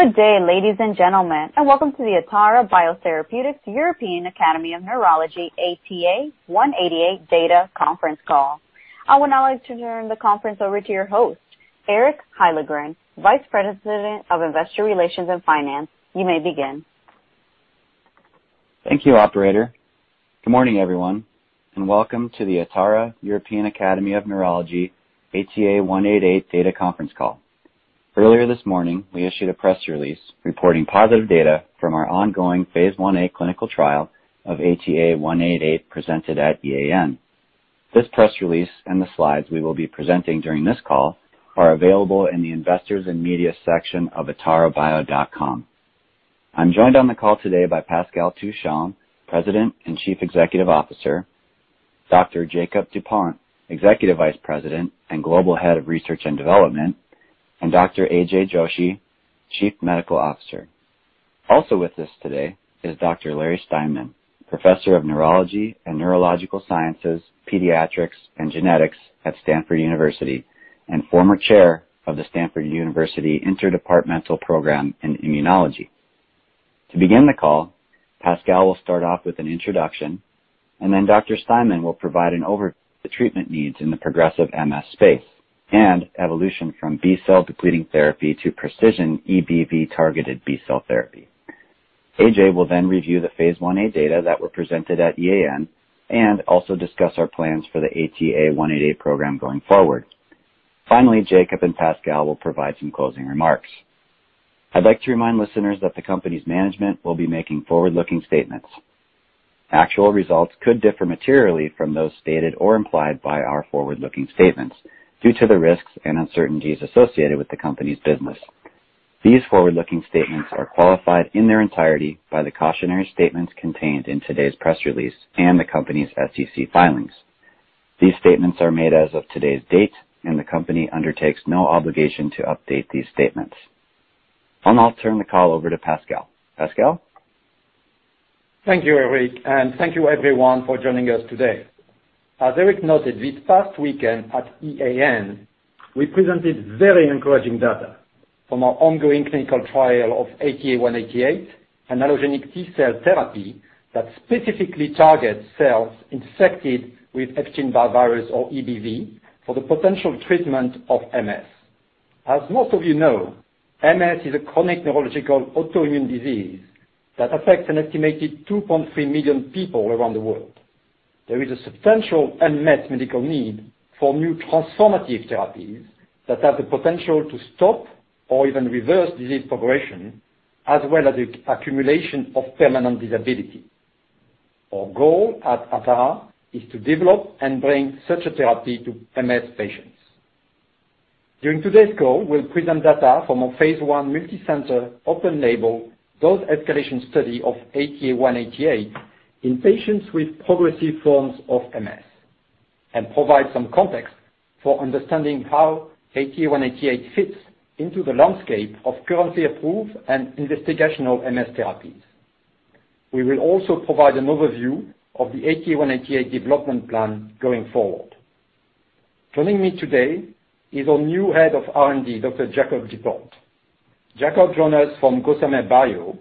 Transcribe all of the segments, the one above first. Good day, ladies and gentlemen, and welcome to the Atara Biotherapeutics European Academy of Neurology ATA188 data conference call. I would now like to turn the conference over to your host, Eric Hyllengren, Vice President of Investor Relations and Finance. You may begin. Thank you, operator. Good morning, everyone, and welcome to the Atara European Academy of Neurology ATA188 data conference call. Earlier this morning, we issued a press release reporting positive data from our ongoing phase I-A clinical trial of ATA188 presented at EAN. This press release, and the slides we will be presenting during this call, are available in the Investors and Media section of atarabio.com. I'm joined on the call today by Pascal Touchon, President and Chief Executive Officer, Dr. Jakob Dupont, Executive Vice President and Global Head of Research and Development, and Dr. AJ Joshi, Chief Medical Officer. Also with us today is Dr. Larry Steinman, Professor of Neurology and Neurological Sciences, Pediatrics, and Genetics at Stanford University, and former Chair of the Stanford University Interdepartmental Program in Immunology. To begin the call, Pascal will start off with an introduction, and then Dr. Steinman will provide an overview of the treatment needs in the progressive MS space and evolution from B-cell depleting therapy to precision EBV-targeted B-cell therapy. AJ will then review the phase I-A data that were presented at EAN and also discuss our plans for the ATA188 program going forward. Finally, Jakob and Pascal will provide some closing remarks. I'd like to remind listeners that the company's management will be making forward-looking statements. Actual results could differ materially from those stated or implied by our forward-looking statements due to the risks and uncertainties associated with the company's business. These forward-looking statements are qualified in their entirety by the cautionary statements contained in today's press release and the company's SEC filings. These statements are made as of today's date, and the company undertakes no obligation to update these statements. I'll now turn the call over to Pascal. Pascal? Thank you, Eric, and thank you everyone for joining us today. As Eric noted, this past weekend at EAN, we presented very encouraging data from our ongoing clinical trial of ATA188, an allogeneic T-cell therapy that specifically targets cells infected with Epstein-Barr virus or EBV, for the potential treatment of MS. As most of you know, MS is a chronic neurological autoimmune disease that affects an estimated 2.3 million people around the world. There is a substantial unmet medical need for new transformative therapies that have the potential to stop or even reverse disease progression, as well as the accumulation of permanent disability. Our goal at Atara is to develop and bring such a therapy to MS patients. During today's call, we'll present data from a Phase I multicenter, open-label, dose-escalation study of ATA188 in patients with progressive forms of MS and provide some context for understanding how ATA188 fits into the landscape of currently approved and investigational MS therapies. We will also provide an overview of the ATA188 development plan going forward. Joining me today is our new Head of R&D, Dr. Jakob Dupont. Jakob joins us from Gossamer Bio,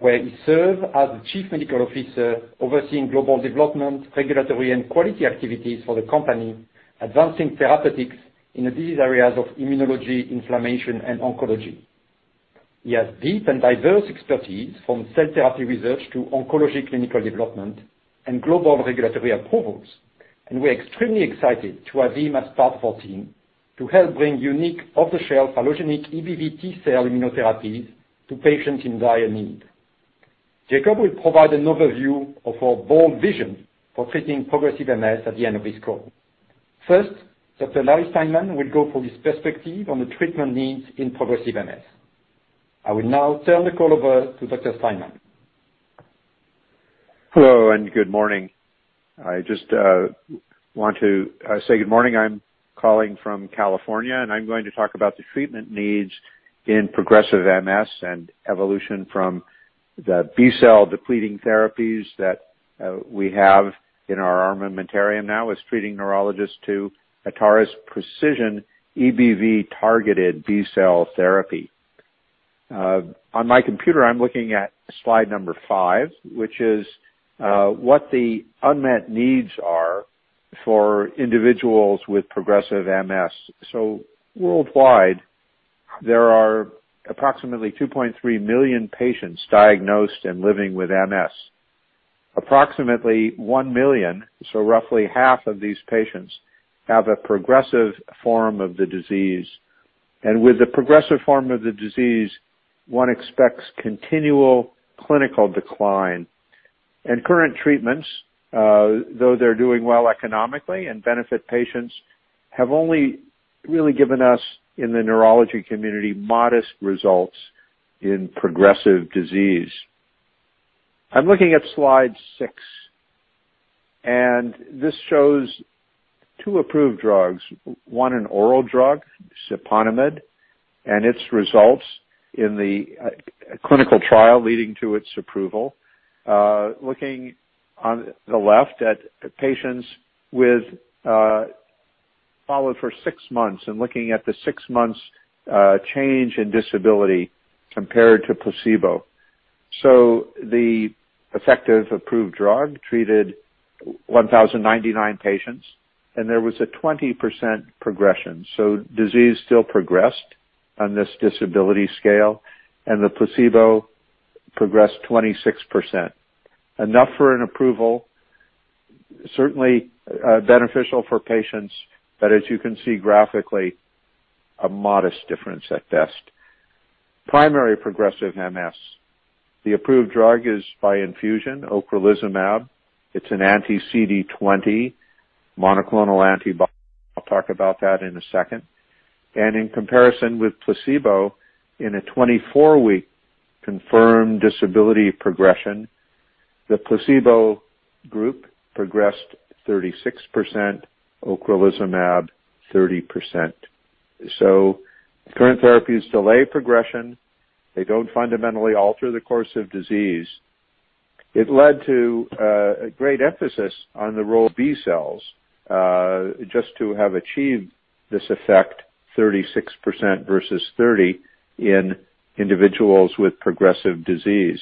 where he served as the Chief Medical Officer overseeing global development, regulatory, and quality activities for the company, advancing therapeutics in the disease areas of immunology, inflammation, and oncology. He has deep and diverse expertise from cell therapy research to oncology clinical development and global regulatory approvals, and we're extremely excited to have him as part of our team to help bring unique off-the-shelf allogeneic EBV T-cell immunotherapies to patients in dire need. Jakob will provide an overview of our bold vision for treating progressive MS at the end of this call. First, Dr. Larry Steinman will go for his perspective on the treatment needs in progressive MS. I will now turn the call over to Dr. Steinman. Hello and good morning. I just want to say good morning. I'm calling from California, and I'm going to talk about the treatment needs in progressive MS and evolution from the B-cell depleting therapies that we have in our armamentarium now as treating neurologists to Atara's precision EBV-targeted B-cell therapy. On my computer, I'm looking at slide number five, which is what the unmet needs are for individuals with progressive MS. Worldwide, there are approximately 2.3 million patients diagnosed and living with MS. Approximately 1 million, so roughly half of these patients, have a progressive form of the disease. With the progressive form of the disease, one expects continual clinical decline. Current treatments, though they're doing well economically and benefit patients, have only really given us, in the neurology community, modest results in progressive disease. I'm looking at slide six, and this shows two approved drugs, one an oral drug, siponimod, and its results in the clinical trial leading to its approval. Looking on the left at patients with, followed for six months and looking at the six months change in disability compared to placebo. The effective approved drug treated 1,099 patients, and there was a 20% progression. Disease still progressed on this disability scale, and the placebo progressed 26%. Enough for an approval, certainly beneficial for patients, but as you can see graphically, a modest difference at best. Primary progressive MS, the approved drug is by infusion ocrelizumab. It's an anti-CD20 monoclonal antibody. I'll talk about that in a second. In comparison with placebo in a 24-week confirmed disability progression, the placebo group progressed 36%, ocrelizumab 30%. Current therapies delay progression. They don't fundamentally alter the course of disease. It led to a great emphasis on the role of B cells, just to have achieved this effect 36% versus 30% in individuals with progressive disease.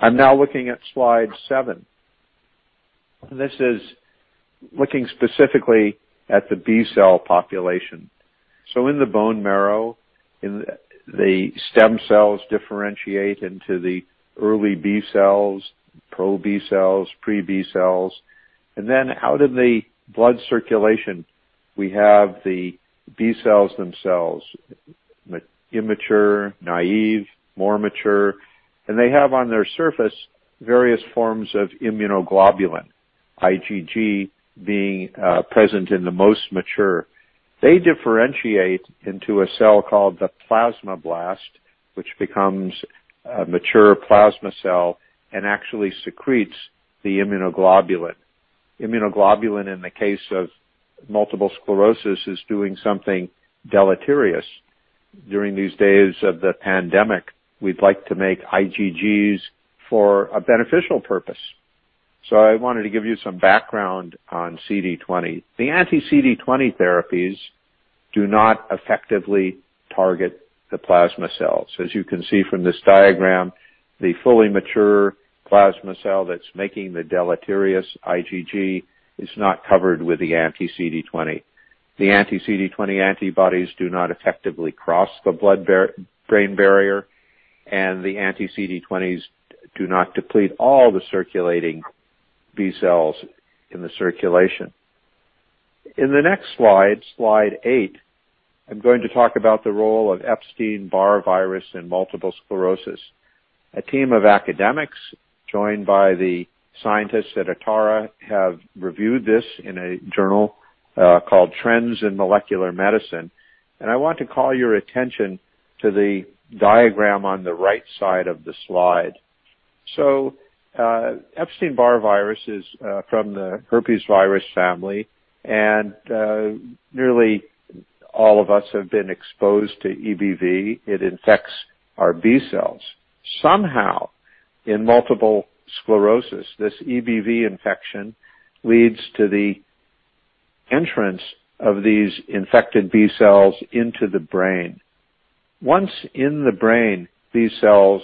I'm now looking at slide seven. This is looking specifically at the B-cell population. In the bone marrow, the stem cells differentiate into the early B cells, pro-B cells, pre-B cells. Out in the blood circulation, we have the B cells themselves, immature, naive, more mature, and they have on their surface various forms of immunoglobulin, IgG being present in the most mature. They differentiate into a cell called the plasmablast, which becomes a mature plasma cell and actually secretes the immunoglobulin. Immunoglobulin, in the case of multiple sclerosis, is doing something deleterious. During these days of the pandemic, we'd like to make IgGs for a beneficial purpose. I wanted to give you some background on CD20. The anti-CD20 therapies do not effectively target the plasma cells. As you can see from this diagram, the fully mature plasma cell that's making the deleterious IgG is not covered with the anti-CD20. The anti-CD20 antibodies do not effectively cross the blood-brain barrier, the anti-CD20s do not deplete all the circulating B cells in the circulation. In the next slide eight, I'm going to talk about the role of Epstein-Barr virus in multiple sclerosis. A team of academics, joined by the scientists at Atara, have reviewed this in a journal called "Trends in Molecular Medicine." I want to call your attention to the diagram on the right side of the slide. Epstein-Barr virus is from the herpes virus family, nearly all of us have been exposed to EBV. It infects our B cells. Somehow, in multiple sclerosis, this EBV infection leads to the entrance of these infected B cells into the brain. Once in the brain, B cells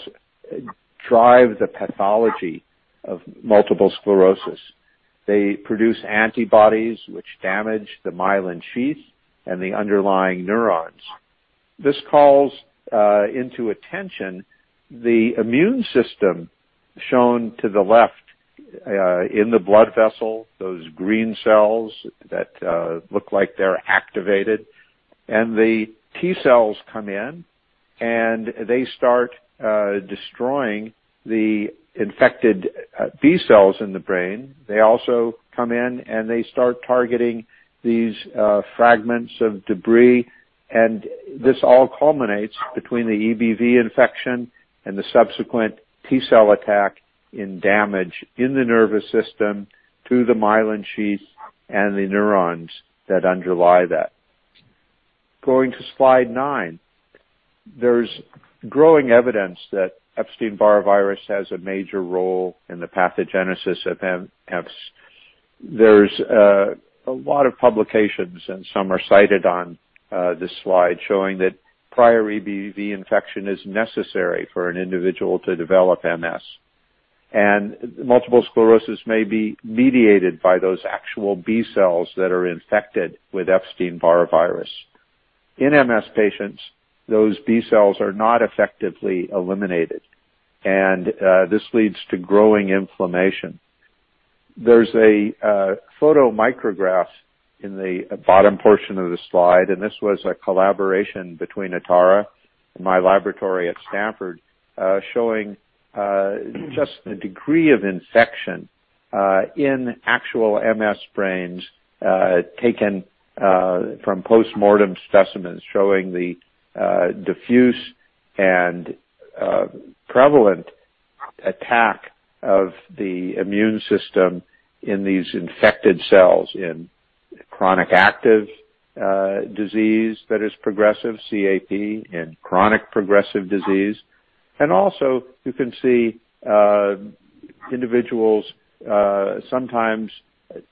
drive the pathology of multiple sclerosis. They produce antibodies which damage the myelin sheath and the underlying neurons. This calls into attention the immune system shown to the left in the blood vessel, those green cells that look like they're activated, and the T cells come in, and they start destroying the infected B cells in the brain. They also come in and they start targeting these fragments of debris, and this all culminates between the EBV infection and the subsequent T-cell attack in damage in the nervous system to the myelin sheath and the neurons that underlie that. Going to slide nine, there's growing evidence that Epstein-Barr virus has a major role in the pathogenesis of MS. There's a lot of publications, and some are cited on this slide, showing that prior EBV infection is necessary for an individual to develop MS. Multiple sclerosis may be mediated by those actual B cells that are infected with Epstein-Barr virus. In MS patients, those B cells are not effectively eliminated, and this leads to growing inflammation. There's a photo micrograph in the bottom portion of the slide, and this was a collaboration between Atara and my laboratory at Stanford, showing just the degree of infection in actual MS brains taken from postmortem specimens, showing the diffuse and prevalent attack of the immune system in these infected cells in chronic active disease that is progressive, CAP, in chronic progressive disease. Also, you can see Individuals sometimes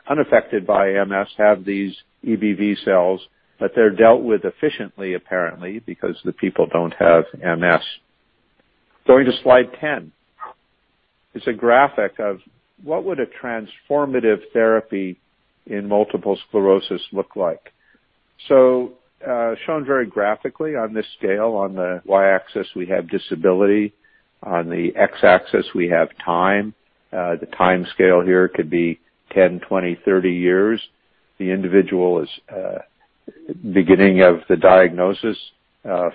unaffected by MS have these EBV cells, but they're dealt with efficiently apparently because the people don't have MS. Going to slide 10. It's a graphic of what would a transformative therapy in multiple sclerosis look like? Shown very graphically on this scale, on the Y-axis, we have disability. On the X-axis, we have time. The time scale here could be 10, 20, 30 years. The individual is beginning of the diagnosis,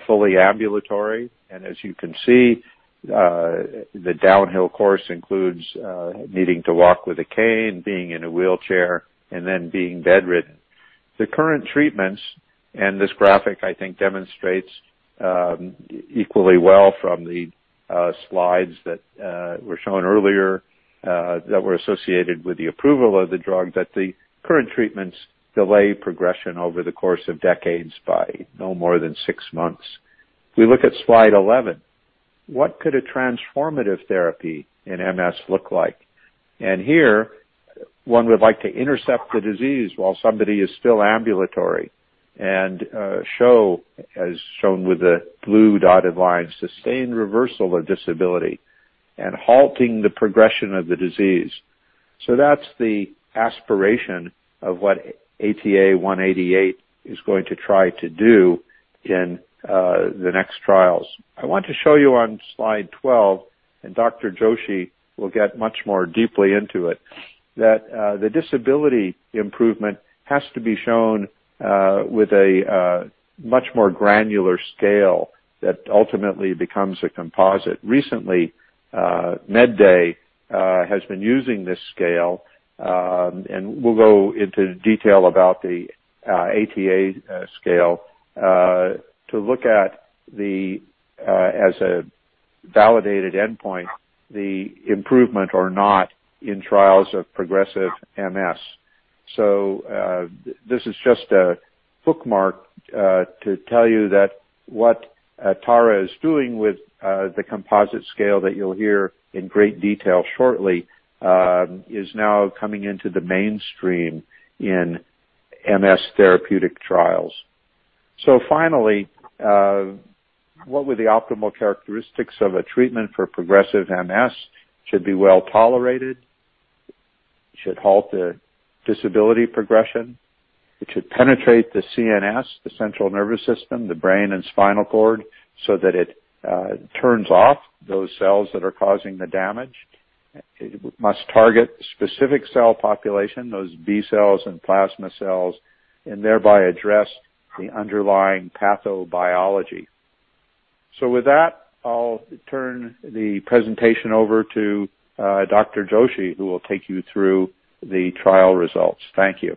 fully ambulatory. As you can see, the downhill course includes needing to walk with a cane, being in a wheelchair, and then being bedridden. The current treatments, and this graphic I think demonstrates equally well from the slides that were shown earlier that were associated with the approval of the drug, that the current treatments delay progression over the course of decades by no more than six months. We look at slide 11. What could a transformative therapy in MS look like? Here, one would like to intercept the disease while somebody is still ambulatory and show, as shown with the blue dotted line, sustained reversal of disability and halting the progression of the disease. That's the aspiration of what ATA188 is going to try to do in the next trials. I want to show you on slide 12, and Dr. Joshi will get much more deeply into it, that the disability improvement has to be shown with a much more granular scale that ultimately becomes a composite. Recently, MedDay has been using this scale, and we'll go into detail about the ATA scale, to look at as a validated endpoint, the improvement or not in trials of progressive MS. This is just a bookmark to tell you that what Atara is doing with the composite scale that you'll hear in great detail shortly is now coming into the mainstream in MS therapeutic trials. Finally, what would the optimal characteristics of a treatment for progressive MS? It should be well-tolerated. It should halt the disability progression. It should penetrate the CNS, the central nervous system, the brain and spinal cord, so that it turns off those cells that are causing the damage. It must target specific cell population, those B cells and plasma cells, and thereby address the underlying pathobiology. With that, I'll turn the presentation over to Dr. Joshi, who will take you through the trial results. Thank you.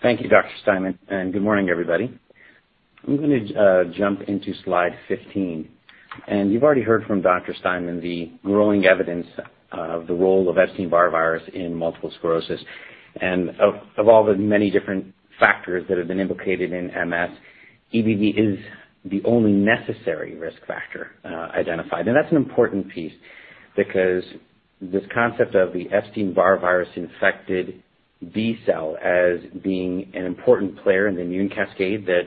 Thank you, Dr. Steinman. Good morning, everybody. I'm going to jump into slide 15. You've already heard from Dr. Steinman the growing evidence of the role of Epstein-Barr virus in multiple sclerosis. Of all the many different factors that have been implicated in MS, EBV is the only necessary risk factor identified. That's an important piece because this concept of the Epstein-Barr virus-infected B cell as being an important player in the immune cascade that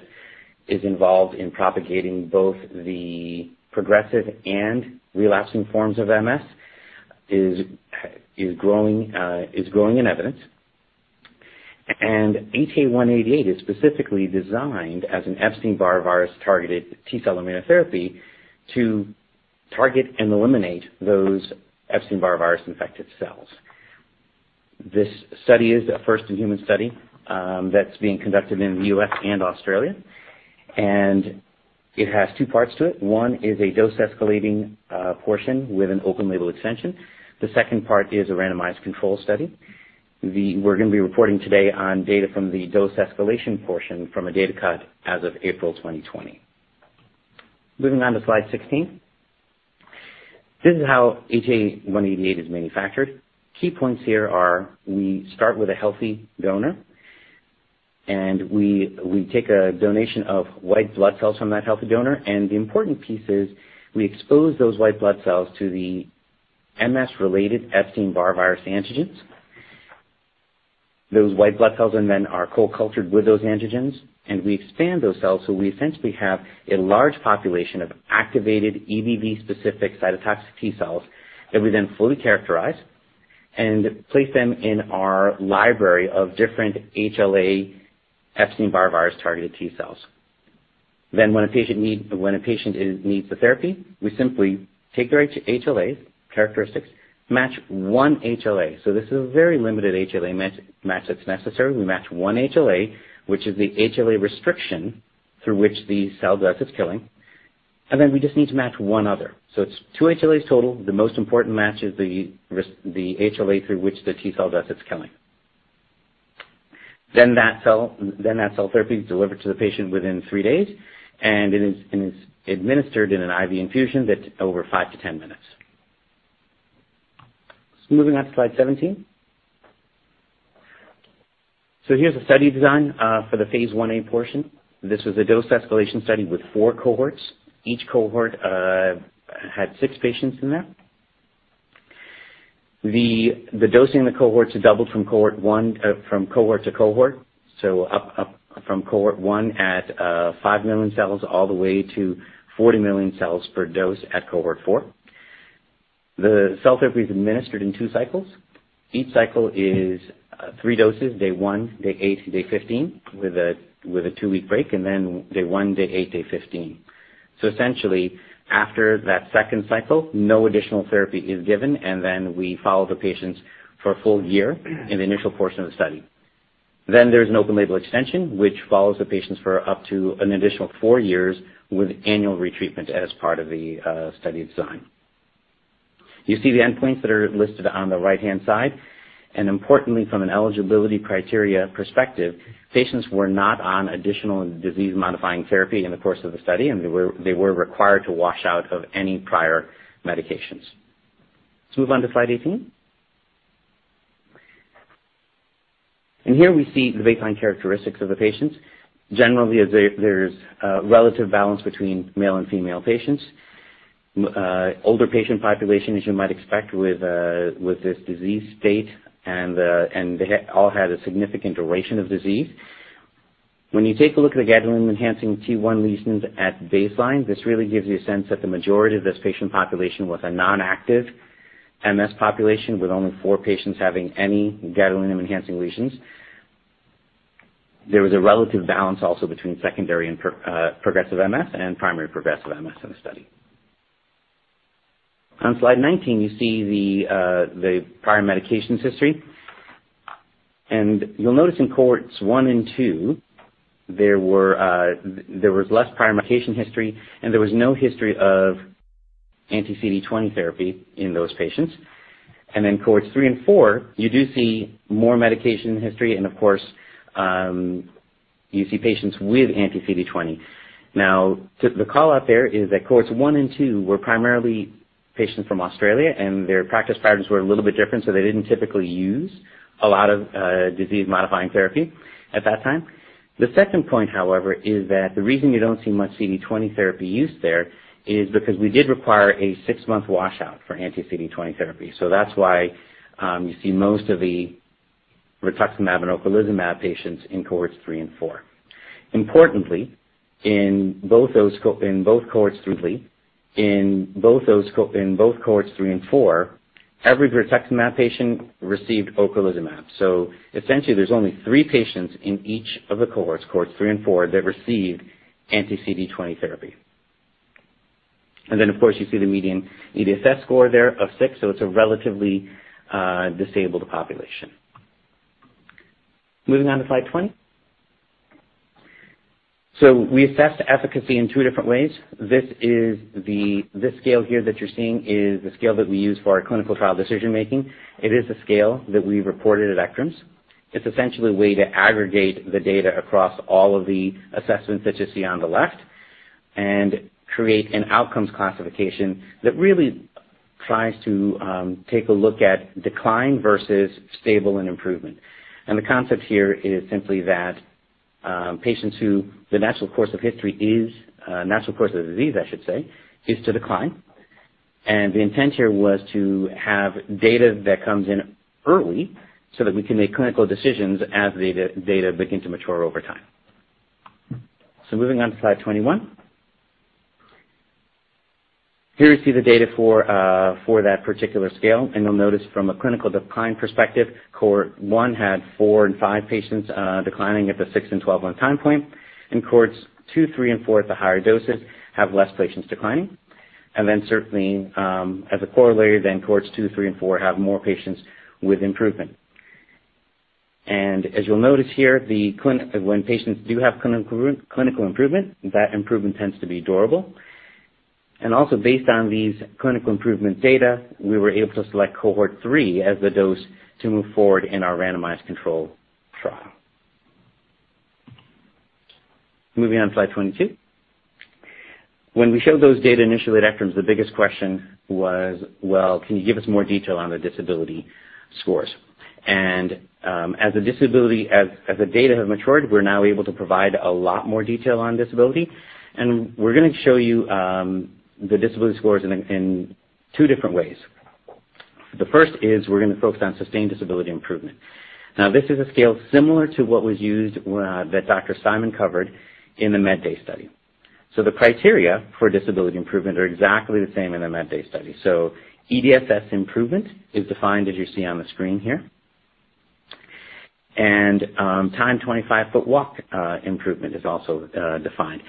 is involved in propagating both the progressive and relapsing forms of MS is growing in evidence. ATA188 is specifically designed as an Epstein-Barr virus-targeted T-cell immunotherapy to target and eliminate those Epstein-Barr virus-infected cells. This study is a first-in-human study that's being conducted in the U.S. and Australia, and it has two parts to it. One is a dose-escalating portion with an open-label extension. The second part is a randomized controlled study. We're going to be reporting today on data from the dose escalation portion from a data cut as of April 2020. Moving on to slide 16. This is how ATA188 is manufactured. Key points here are we start with a healthy donor, and we take a donation of white blood cells from that healthy donor, and the important piece is we expose those white blood cells to the MS-related Epstein-Barr virus antigens. Those white blood cells are then co-cultured with those antigens, and we expand those cells, so we essentially have a large population of activated EBV-specific cytotoxic T cells that we then fully characterize and place them in our library of different HLA Epstein-Barr virus-targeted T cells. When a patient needs the therapy, we simply take their HLA characteristics, match one HLA. This is a very limited HLA match that's necessary. We match one HLA, which is the HLA restriction through which the cell does its killing, and then we just need to match one other. It's two HLAs total. The most important match is the HLA through which the T cell does its killing. Tab-cel therapy is delivered to the patient within three days, and it is administered in an IV infusion that's over five to 10 minutes. Moving on to slide 17. Here's the study design for the phase I-A portion. This was a dose escalation study with four cohorts. Each cohort had six patients in there. The dosing of the cohorts doubled from cohort to cohort, up from cohort 1 at five million cells all the way to 40 million cells per dose at cohort four. The cell therapy is administered in two cycles. Each cycle is three doses, day one, day eight to day 15, with a two-week break, day one, day eight, day 15. Essentially, after that second cycle, no additional therapy is given, and then we follow the patients for a full year in the initial portion of the study. There's an open-label extension, which follows the patients for up to an additional four years with annual retreatment as part of the study design. You see the endpoints that are listed on the right-hand side, and importantly, from an eligibility criteria perspective, patients were not on additional disease-modifying therapy in the course of the study, and they were required to wash out of any prior medications. Let's move on to slide 18. Here we see the baseline characteristics of the patients. Generally, there's a relative balance between male and female patients. Older patient population, as you might expect with this disease state, and they all had a significant duration of disease. When you take a look at the gadolinium-enhancing T1 lesions at baseline, this really gives you a sense that the majority of this patient population was a non-active MS population, with only four patients having any gadolinium-enhancing lesions. There was a relative balance also between secondary progressive MS and primary progressive MS in the study. On slide 19, you see the prior medications history. You'll notice in cohorts 1 and 2, there was less prior medication history, and there was no history of anti-CD20 therapy in those patients. In cohorts 3 and 4, you do see more medication history and, of course, you see patients with anti-CD20. The callout there is that cohorts 1 and 2 were primarily patients from Australia, and their practice patterns were a little bit different, so they didn't typically use a lot of disease-modifying therapy at that time. The second point, however, is that the reason you don't see much CD20 therapy use there is because we did require a six month washout for anti-CD20 therapy. That's why you see most of the rituximab and ocrelizumab patients in cohorts 3 and 4. Importantly, in both cohorts 3 and 4, every rituximab patient received ocrelizumab. Essentially, there's only three patients in each of the cohorts 3 and 4, that received anti-CD20 therapy. Then, of course, you see the median EDSS score there of six, so it's a relatively disabled population. Moving on to slide 20. We assessed efficacy in two different ways. This scale here that you're seeing is the scale that we use for our clinical trial decision-making. It is a scale that we reported at ECTRIMS. It's essentially a way to aggregate the data across all of the assessments that you see on the left and create an outcomes classification that really tries to take a look at decline versus stable and improvement. The concept here is simply that patients who the natural course of the disease, I should say, is to decline. The intent here was to have data that comes in early so that we can make clinical decisions as the data begin to mature over time. Moving on to slide 21. Here you see the data for that particular scale. You'll notice from a clinical decline perspective, cohort 1 had four and five patients declining at the six and 12-month time point. In cohorts 2, 3, and 4 at the higher doses have less patients declining. Certainly, as a corollary, cohorts 2, 3, and 4 have more patients with improvement. As you'll notice here, when patients do have clinical improvement, that improvement tends to be durable. Also based on these clinical improvement data, we were able to select cohort 3 as the dose to move forward in our randomized control trial. Moving on to slide 22. When we showed those data initially at ECTRIMS, the biggest question was, well, can you give us more detail on the disability scores? As the data have matured, we're now able to provide a lot more detail on disability, and we're going to show you the disability scores in two different ways. The first is we're going to focus on Sustained Disability Improvement. This is a scale similar to what was used that Dr. Steinman covered in the MedDay study. The criteria for disability improvement are exactly the same in the MedDay study. EDSS improvement is defined as you see on the screen here. Timed 25-Foot Walk improvement is also defined.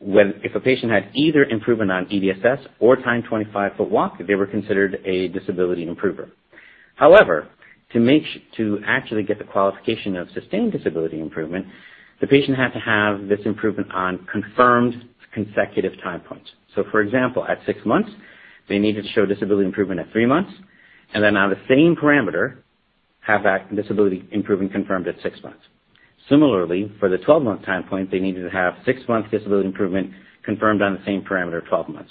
If a patient had either improvement on EDSS or Timed 25-Foot Walk, they were considered a disability improver. However, to actually get the qualification of Sustained Disability Improvement, the patient had to have this improvement on confirmed consecutive time points. For example, at six months, they needed to show disability improvement at three months, and then on the same parameter, have that disability improvement confirmed at six months. Similarly, for the 12-month time point, they needed to have six months disability improvement confirmed on the same parameter at 12 months.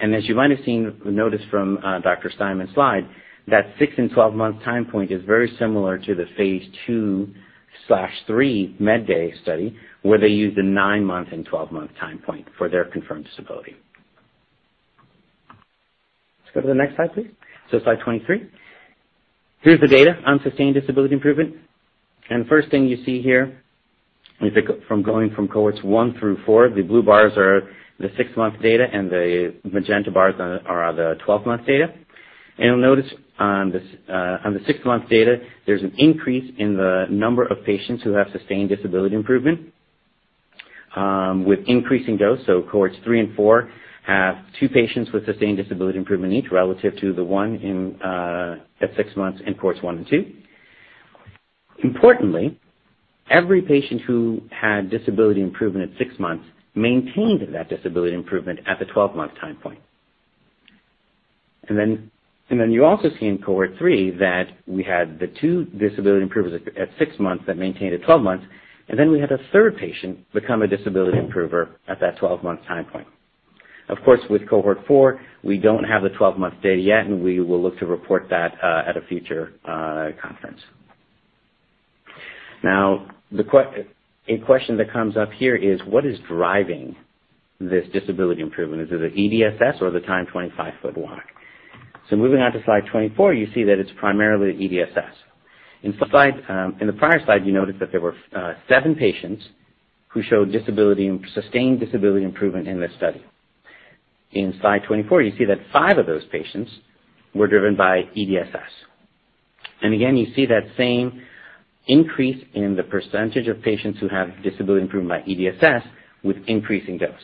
As you might have seen, notice from Dr. Steinman's slide, that six and 12-month time point is very similar to the phase II/III MedDay study, where they used a nine-month and 12-month time point for their confirmed disability. Let's go to the next slide, please. Slide 23. Here's the data on sustained disability improvement. The first thing you see here is from going from cohorts one through four, the blue bars are the six-month data, and the magenta bars are the 12-month data. You'll notice on the six-month data, there's an increase in the number of patients who have sustained disability improvement with increasing dose. Cohorts 3 and 4 have two patients with sustained disability improvement each, relative to the one at six months in cohorts 1 and 2. Importantly, every patient who had disability improvement at six months maintained that disability improvement at the 12-month time point. You also see in cohort 3 that we had the two disability improvers at six months that maintained at 12 months, then we had a third patient become a disability improver at that 12-month time point. Of course, with cohort 4, we don't have the 12-month data yet, we will look to report that at a future conference. A question that comes up here is: What is driving this disability improvement? Is it the EDSS or the timed 25-foot walk? Moving on to slide 24, you see that it's primarily EDSS. In the prior slide, you noted that there were seven patients who showed sustained disability improvement in this study. In slide 24, you see that five of those patients were driven by EDSS. Again, you see that same increase in the percentage of patients who have disability improvement by EDSS with increasing dose.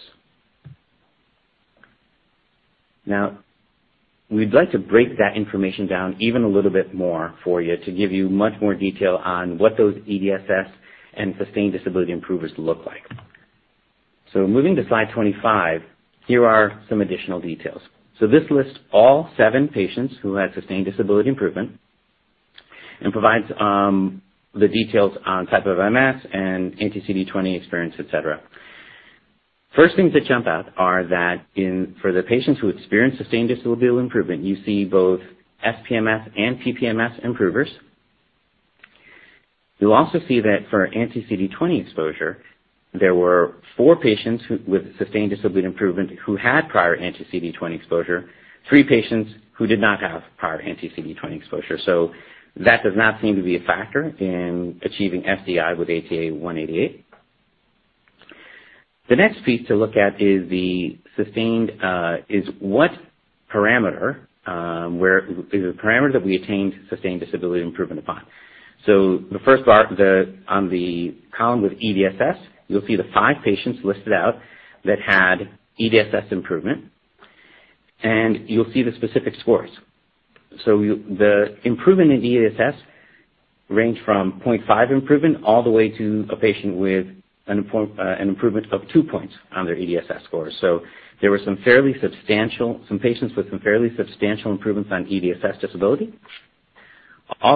We'd like to break that information down even a little bit more for you to give you much more detail on what those EDSS and sustained disability improvers look like. Moving to slide 25, here are some additional details. This lists all seven patients who had sustained disability improvement and provides the details on type of MS and anti-CD20 experience, et cetera. First things that jump out are that for the patients who experience sustained disability improvement, you see both SPMS and PPMS improvers. You'll also see that for anti-CD20 exposure, there were four patients with sustained disability improvement who had prior anti-CD20 exposure, three patients who did not have prior anti-CD20 exposure. That does not seem to be a factor in achieving SDI with ATA188. The next piece to look at is what parameter that we attained sustained disability improvement upon. The first bar on the column with EDSS, you'll see the five patients listed out that had EDSS improvement, and you'll see the specific scores. The improvement in EDSS range from 0.5 improvement all the way to a patient with an improvement of two points on their EDSS score. There were some patients with some fairly substantial improvements on EDSS disability.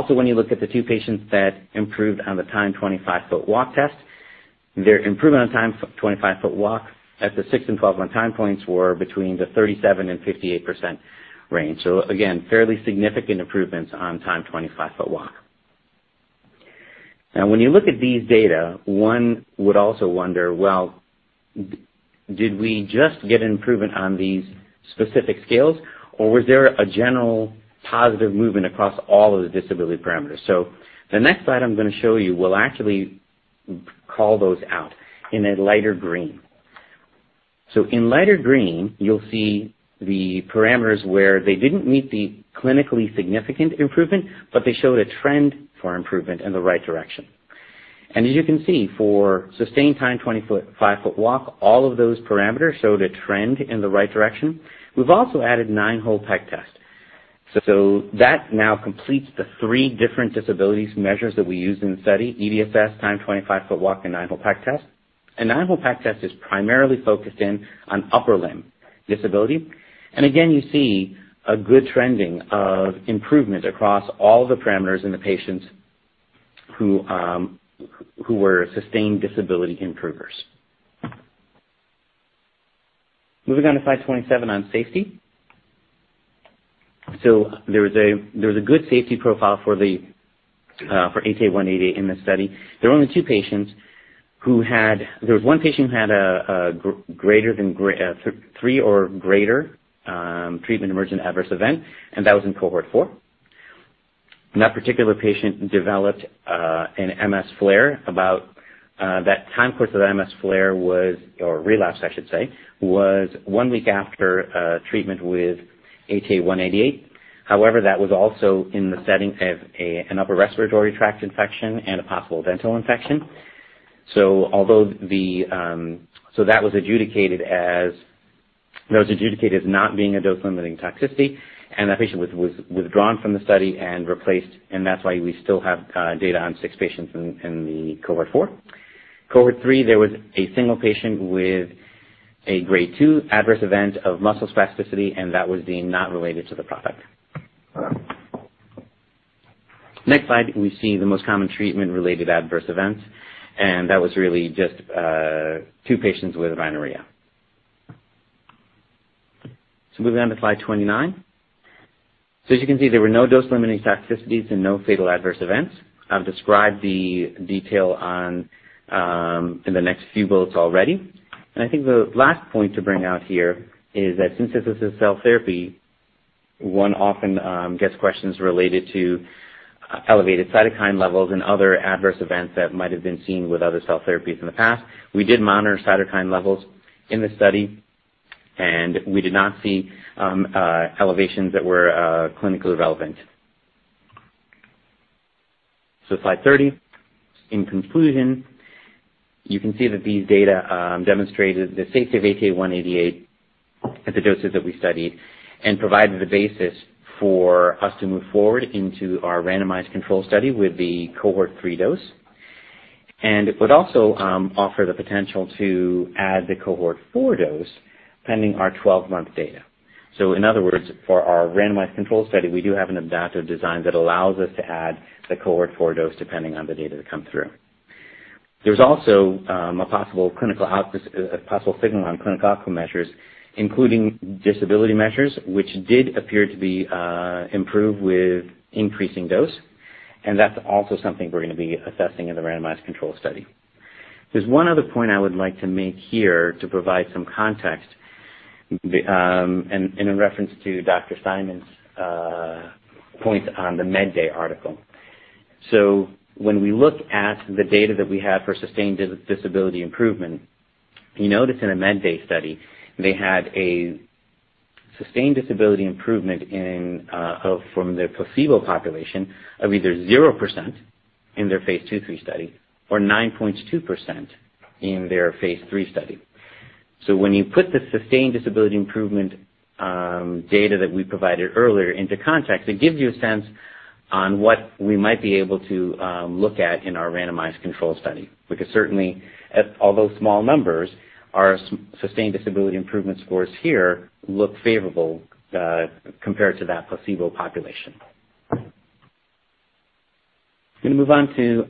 When you look at the two patients that improved on the Timed 25-Foot Walk Test, their improvement on Timed 25-Foot Walk at the six and 12-month time points were between the 37%-58% range. Again, fairly significant improvements on Timed 25-Foot Walk. When you look at these data, one would also wonder, well, did we just get improvement on these specific scales, or was there a general positive movement across all of the disability parameters? The next slide I'm going to show you will actually call those out in a lighter green. In lighter green, you'll see the parameters where they didn't meet the clinically significant improvement, but they showed a trend for improvement in the right direction. As you can see, for sustained Timed 25-Foot Walk, all of those parameters showed a trend in the right direction. We've also added Nine-Hole Peg Test. That now completes the three different disabilities measures that we used in the study, EDSS, timed 25-foot walk and Nine-Hole Peg Test. A Nine-Hole Peg Test is primarily focused in on upper limb disability. Again, you see a good trending of improvement across all the parameters in the patients who were sustained disability improvers. Moving on to slide 27 on safety. There was a good safety profile for ATA188 in this study. There was one patient who had a three or greater treatment-emergent adverse event, and that was in cohort four. That particular patient developed an MS flare. That time course of the MS flare was, or relapse, I should say, was one week after treatment with ATA188. However, that was also in the setting of an upper respiratory tract infection and a possible dental infection. That was adjudicated as not being a dose-limiting toxicity, and that patient was withdrawn from the study and replaced, and that's why we still have data on six patients in the cohort 4. Cohort 3, there was a single patient with a Grade two adverse event of muscle spasticity, and that was deemed not related to the product. Next slide, we see the most common treatment-related adverse events, and that was really just two patients with rhinorrhea. Moving on to slide 29. As you can see, there were no dose-limiting toxicities and no fatal adverse events. I've described the detail in the next few bullets already. I think the last point to bring out here is that since this is cell therapy, one often gets questions related to elevated cytokine levels and other adverse events that might have been seen with other cell therapies in the past. We did monitor cytokine levels in the study, and we did not see elevations that were clinically relevant. Slide 30. In conclusion, you can see that these data demonstrated the safety of ATA188 at the doses that we studied and provided the basis for us to move forward into our randomized control study with the cohort 3 dose. It would also offer the potential to add the cohort 4 dose, pending our 12-month data. In other words, for our randomized control study, we do have an adaptive design that allows us to add the cohort 4 dose depending on the data that come through. There's also a possible signal on clinical outcome measures, including disability measures, which did appear to be improved with increasing dose. That's also something we're going to be assessing in the randomized control study. There's one other point I would like to make here to provide some context, and in reference to Dr. Steinman's points on the MedDay article. When we look at the data that we have for sustained disability improvement, you notice in a MedDay study, they had a sustained disability improvement from their placebo population of either 0% in their phase II/III study or 9.2% in their phase III study. When you put the sustained disability improvement data that we provided earlier into context, it gives you a sense on what we might be able to look at in our randomized control study. Certainly, although small numbers, our sustained disability improvement scores here look favorable compared to that placebo population. I'm going to move on to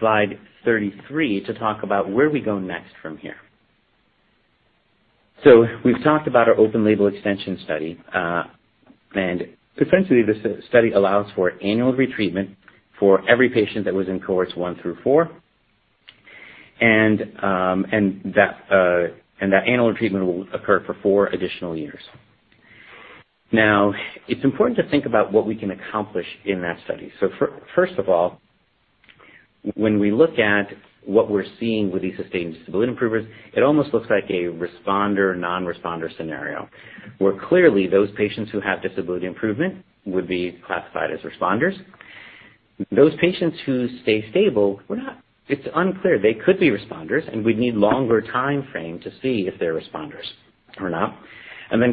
slide 33 to talk about where we go next from here. We've talked about our open-label extension study. Essentially, this study allows for annual retreatment for every patient that was in cohorts 1 through 4, and that annual retreatment will occur for four additional years. It's important to think about what we can accomplish in that study. First of all, when we look at what we're seeing with these sustained disability improvers, it almost looks like a responder, non-responder scenario, where clearly those patients who have disability improvement would be classified as responders. Those patients who stay stable, it's unclear. They could be responders, and we'd need longer timeframe to see if they're responders or not.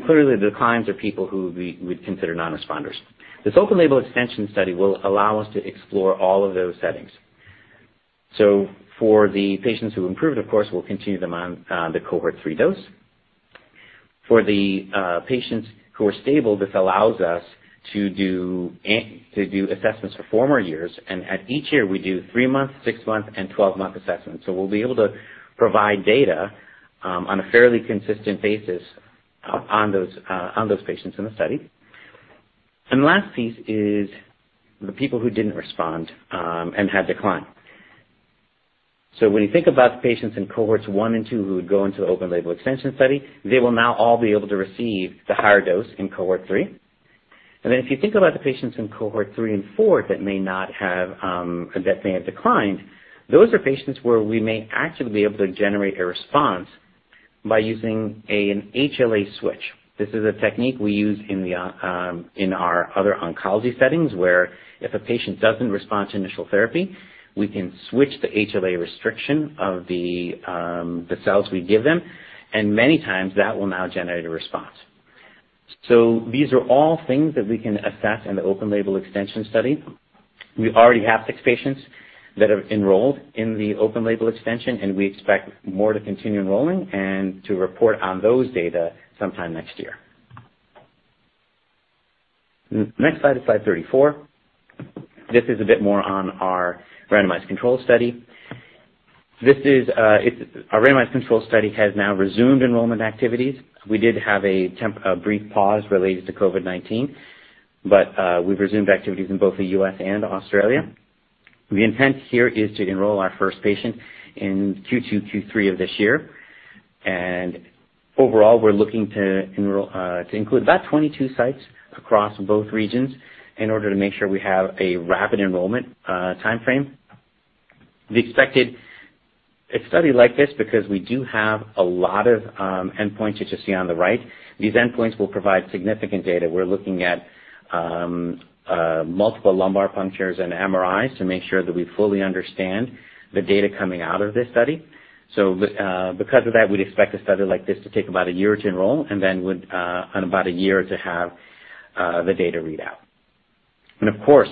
Clearly, declines are people who we would consider non-responders. This open-label extension study will allow us to explore all of those settings. For the patients who improved, of course, we'll continue them on the cohort 3 dose. For the patients who are stable, this allows us to do assessments for four more years, and at each year, we do 3 month, 6 month, and 12 month assessments. We'll be able to provide data on a fairly consistent basis on those patients in the study. The last piece is the people who didn't respond and had decline. When you think about the patients in cohorts 1 and 2 who would go into the open-label extension study, they will now all be able to receive the higher dose in cohort 3. If you think about the patients in cohort 3 and 4 that may have declined, those are patients where we may actually be able to generate a response by using an HLA switch. This is a technique we use in our other oncology settings where if a patient doesn't respond to initial therapy, we can switch the HLA restriction of the cells we give them, and many times that will now generate a response. These are all things that we can assess in the open-label extension study. We already have six patients that have enrolled in the open-label extension, and we expect more to continue enrolling and to report on those data sometime next year. Next slide is slide 34. This is a bit more on our randomized control study. Our randomized control study has now resumed enrollment activities. We did have a brief pause related to COVID-19, but we've resumed activities in both the U.S. and Australia. The intent here is to enroll our first patient in Q2, Q3 of this year. Overall, we're looking to include about 22 sites across both regions in order to make sure we have a rapid enrollment timeframe. A study like this, because we do have a lot of endpoints that you see on the right, these endpoints will provide significant data. We're looking at multiple lumbar punctures and MRIs to make sure that we fully understand the data coming out of this study. Because of that, we'd expect a study like this to take about a year to enroll and then about a year to have the data readout. Of course,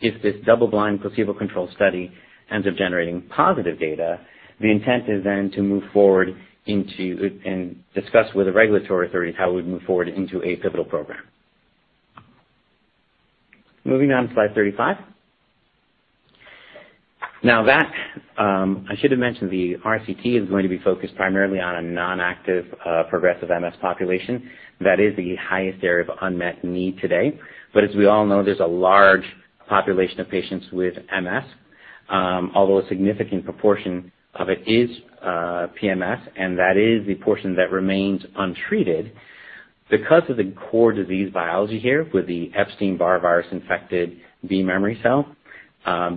if this double-blind placebo-controlled study ends up generating positive data, the intent is then to move forward and discuss with the regulatory authorities how we'd move forward into a pivotal program. Moving on to slide 35. I should have mentioned the RCT is going to be focused primarily on a non-active, progressive MS population. That is the highest area of unmet need today. As we all know, there's a large population of patients with MS, although a significant proportion of it is PMS, and that is the portion that remains untreated. Because of the core disease biology here with the Epstein-Barr virus-infected B memory cell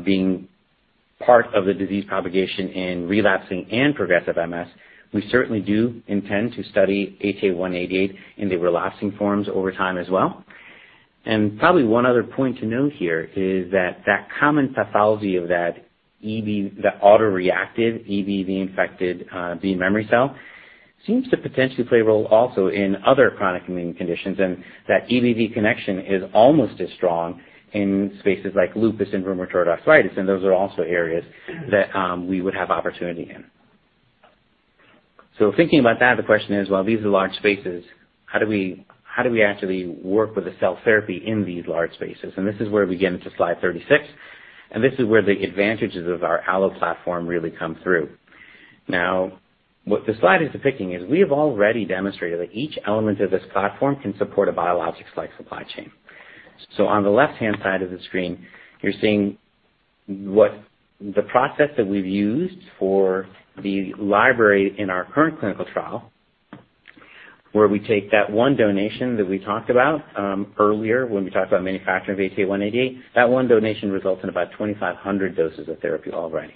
being part of the disease propagation in relapsing and progressive MS, we certainly do intend to study ATA188 in the relapsing forms over time as well. Probably one other point to note here is that that common pathology of that autoreactive EBV-infected B memory cell seems to potentially play a role also in other chronic immune conditions, and that EBV connection is almost as strong in spaces like lupus and rheumatoid arthritis, and those are also areas that we would have opportunity in. Thinking about that, the question is, well, these are large spaces. How do we actually work with a cell therapy in these large spaces? This is where we get into slide 36, and this is where the advantages of our allo platform really come through. Now, what the slide is depicting is we have already demonstrated that each element of this platform can support a biologics-like supply chain. On the left-hand side of the screen, you're seeing what the process that we've used for the library in our current clinical trial, where we take that one donation that we talked about earlier when we talked about manufacturing of ATA188. That one donation results in about 2,500 doses of therapy already.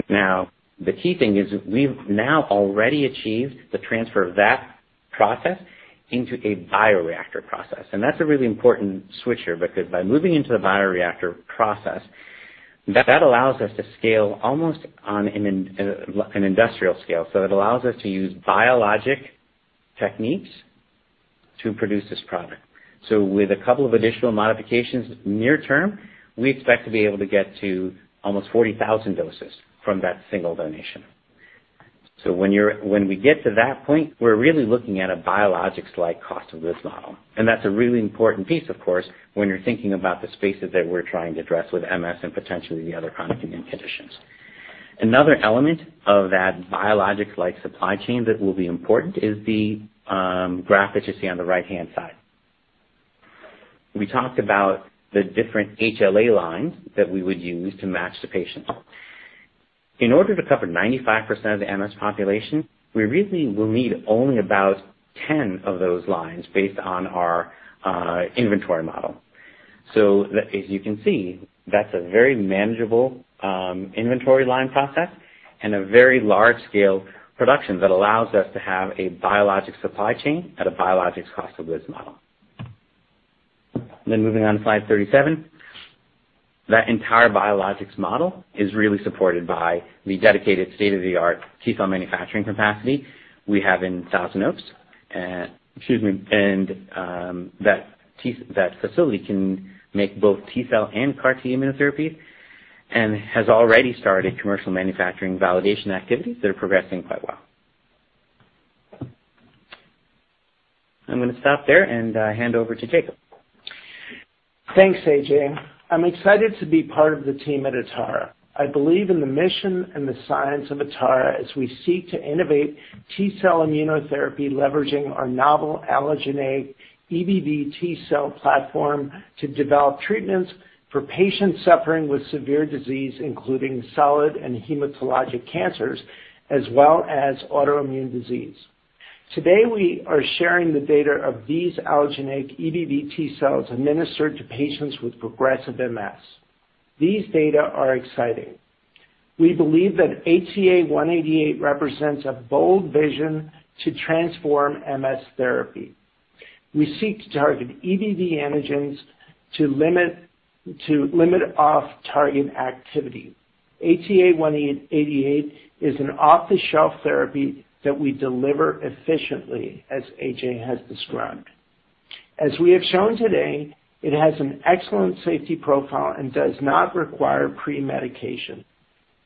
The key thing is we've now already achieved the transfer of that process into a bioreactor process, and that's a really important switch here because by moving into the bioreactor process, that allows us to scale almost on an industrial scale. It allows us to use biologic techniques to produce this product. With a couple of additional modifications near term, we expect to be able to get to almost 40,000 doses from that single donation. When we get to that point, we're really looking at a biologics-like cost of goods model. That's a really important piece, of course, when you're thinking about the spaces that we're trying to address with MS and potentially the other chronic immune conditions. Another element of that biologics-like supply chain that will be important is the graph that you see on the right-hand side. We talked about the different HLA lines that we would use to match the patient. In order to cover 95% of the MS population, we really will need only about 10 of those lines based on our inventory model. As you can see, that's a very manageable inventory line process and a very large-scale production that allows us to have a biologic supply chain at a biologics cost of goods model. Moving on to slide 37. That entire biologics model is really supported by the dedicated state-of-the-art T-cell manufacturing capacity we have in Thousand Oaks. That facility can make both T-cell and CAR T immunotherapies and has already started commercial manufacturing validation activities that are progressing quite well. I'm going to stop there and hand over to Jakob. Thanks, AJ. I'm excited to be part of the team at Atara. I believe in the mission and the science of Atara as we seek to innovate T-cell immunotherapy leveraging our novel allogeneic EBV-T cell platform to develop treatments for patients suffering with severe disease including solid and hematologic cancers, as well as autoimmune disease. Today, we are sharing the data of these allogeneic EBV-T cells administered to patients with progressive MS. These data are exciting. We believe that ATA188 represents a bold vision to transform MS therapy. We seek to target EBV antigens to limit off target activity. ATA188 is an off-the-shelf therapy that we deliver efficiently, as AJ has described. As we have shown today, it has an excellent safety profile and does not require pre-medication.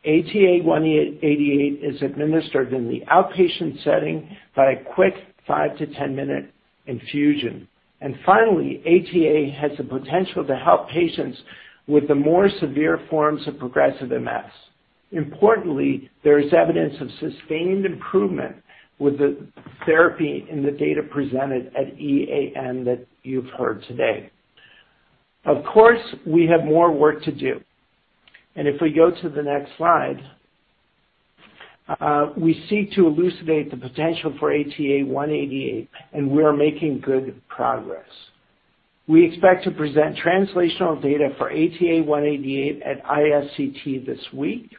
ATA188 is administered in the outpatient setting by a quick five to 10-minute infusion. Finally, ATA has the potential to help patients with the more severe forms of progressive MS. Importantly, there is evidence of sustained improvement with the therapy in the data presented at EAN that you've heard today. Of course, we have more work to do. If we go to the next slide, we seek to elucidate the potential for ATA188, and we are making good progress. We expect to present translational data for ATA188 at ISCT this week.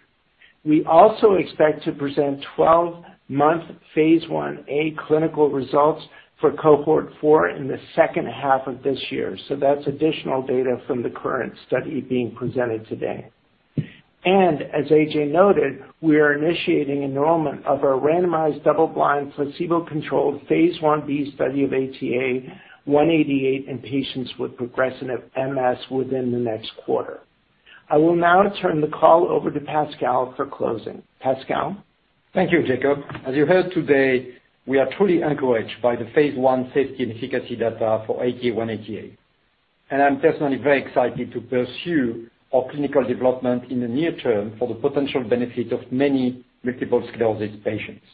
We also expect to present 12-month phase I-A clinical results for cohort 4 in the second half of this year. That's additional data from the current study being presented today. As AJ noted, we are initiating enrollment of a randomized double-blind, placebo-controlled Phase Ib study of ATA188 in patients with progressive MS within the next quarter. I will now turn the call over to Pascal for closing. Pascal? Thank you, Jakob. As you heard today, we are truly encouraged by the phase I safety and efficacy data for ATA188. I'm personally very excited to pursue our clinical development in the near term for the potential benefit of many multiple sclerosis patients.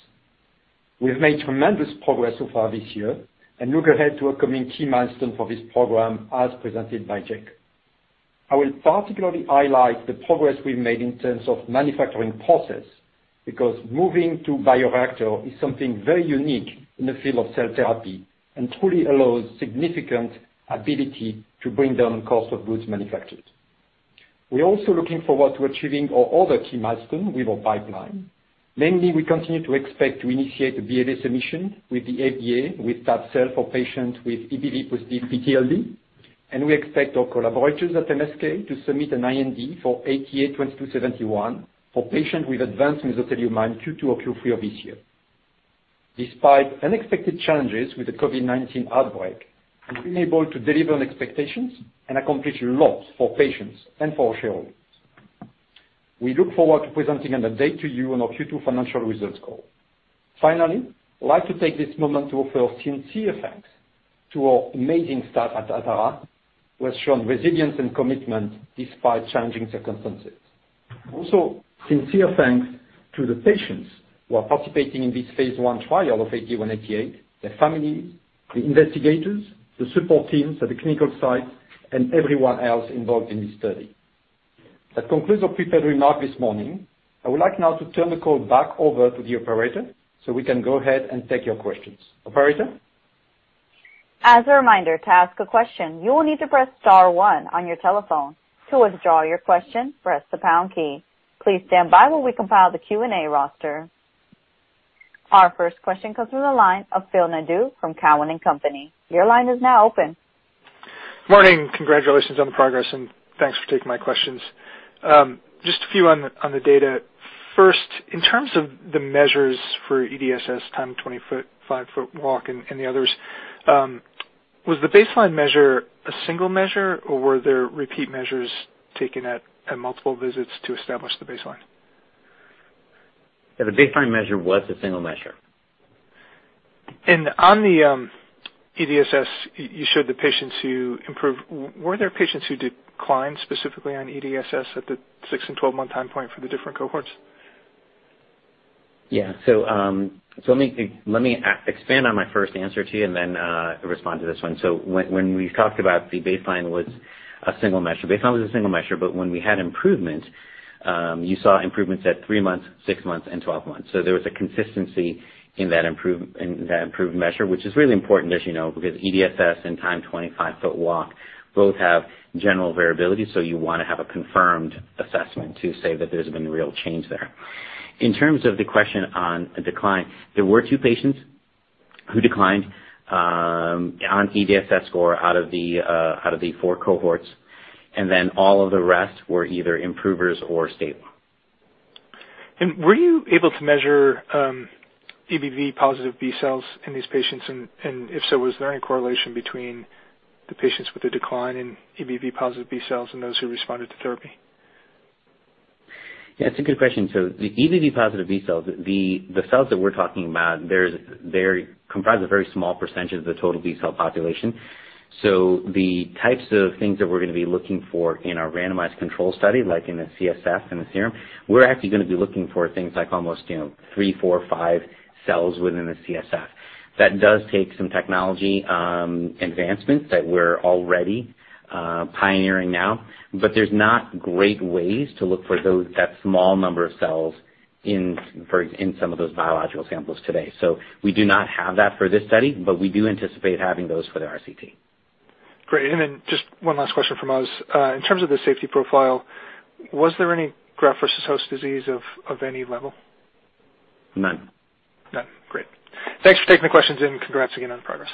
We've made tremendous progress so far this year and look ahead to upcoming key milestones for this program as presented by Jakob. I will particularly highlight the progress we've made in terms of manufacturing process, because moving to bioreactor is something very unique in the field of cell therapy and truly allows significant ability to bring down cost of goods manufactured. We're also looking forward to achieving our other key milestones with our pipeline. Mainly, we continue to expect to initiate a BLA submission with the FDA with that cell for patients with EBV-positive PTLD, and we expect our collaborators at MSK to submit an IND for ATA2271 for patients with advanced mesothelioma Q2 or Q3 of this year. Despite unexpected challenges with the COVID-19 outbreak, we've been able to deliver on expectations and accomplish lots for patients and for shareholders. We look forward to presenting an update to you on our Q2 financial results call. Finally, I'd like to take this moment to offer sincere thanks to our amazing staff at Atara, who has shown resilience and commitment despite challenging circumstances. Also, sincere thanks to the patients who are participating in this phase I trial of ATA188, their family, the investigators, the support teams at the clinical site, and everyone else involved in this study. That concludes our prepared remarks this morning. I would like now to turn the call back over to the operator so we can go ahead and take your questions. Operator? As a reminder, to ask a question, you will need to press star one on your telephone. To withdraw your question, press the pound key. Please stand by while we compile the Q&A roster. Our first question comes from the line of Phil Nadeau from Cowen and Company. Your line is now open. Morning. Congratulations on the progress, and thanks for taking my questions. Just a few on the data. First, in terms of the measures for EDSS, timed 25-foot walk, and the others, was the baseline measure a single measure, or were there repeat measures taken at multiple visits to establish the baseline? Yeah, the baseline measure was a single measure. On the EDSS, you showed the patients who improved. Were there patients who declined specifically on EDSS at the 6 month and 12 month time point for the different cohorts? Yeah. Let me expand on my first answer to you and then respond to this one. When we talked about the baseline was a single measure, but when we had improvement, you saw improvements at 3 months, 6 months, and 12 months. There was a consistency in that improved measure, which is really important as you know, because EDSS and timed 25-foot walk both have general variability. You want to have a confirmed assessment to say that there's been real change there. In terms of the question on a decline, there were two patients who declined on EDSS score out of the four cohorts, all of the rest were either improvers or stable. Were you able to measure EBV positive B cells in these patients? If so, was there any correlation between the patients with a decline in EBV positive B cells and those who responded to therapy? Yeah, it's a good question. The EBV positive B cells, the cells that we're talking about, comprise a very small percentage of the total B cell population. The types of things that we're going to be looking for in our randomized control study, like in the CSF, in the serum, we're actually going to be looking for things like almost three, four, five cells within the CSF. That does take some technology advancements that we're already pioneering now. There's not great ways to look for that small number of cells in some of those biological samples today. We do not have that for this study, but we do anticipate having those for the RCT. Great. Just one last question from us. In terms of the safety profile, was there any graft versus host disease of any level? None. None. Great. Thanks for taking the questions. Congrats again on the progress.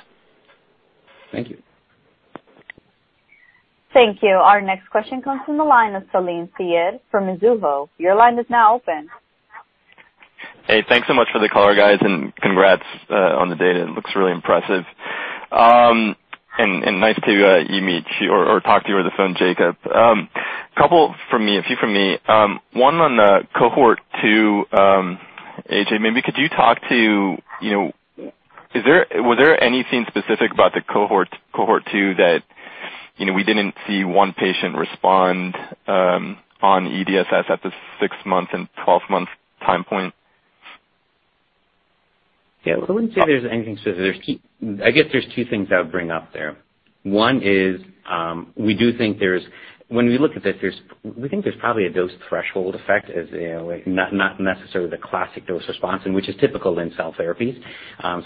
Thank you. Thank you. Our next question comes from the line of Salim Syed from Mizuho. Your line is now open. Hey, thanks so much for the call, guys, and congrats on the data. It looks really impressive. Nice to you meet or talk to you over the phone, Jakob. A couple from me, a few from me. One on cohort 2. AJ, maybe could you talk to, was there anything specific about the cohort 2 that we didn't see one patient respond on EDSS at the 6 month and 12 month time point? Yeah. I wouldn't say there's anything specific. I guess there's two things I would bring up there. One is, we do think when we look at this, we think there's probably a dose threshold effect, as not necessarily the classic dose response, which is typical in cell therapies.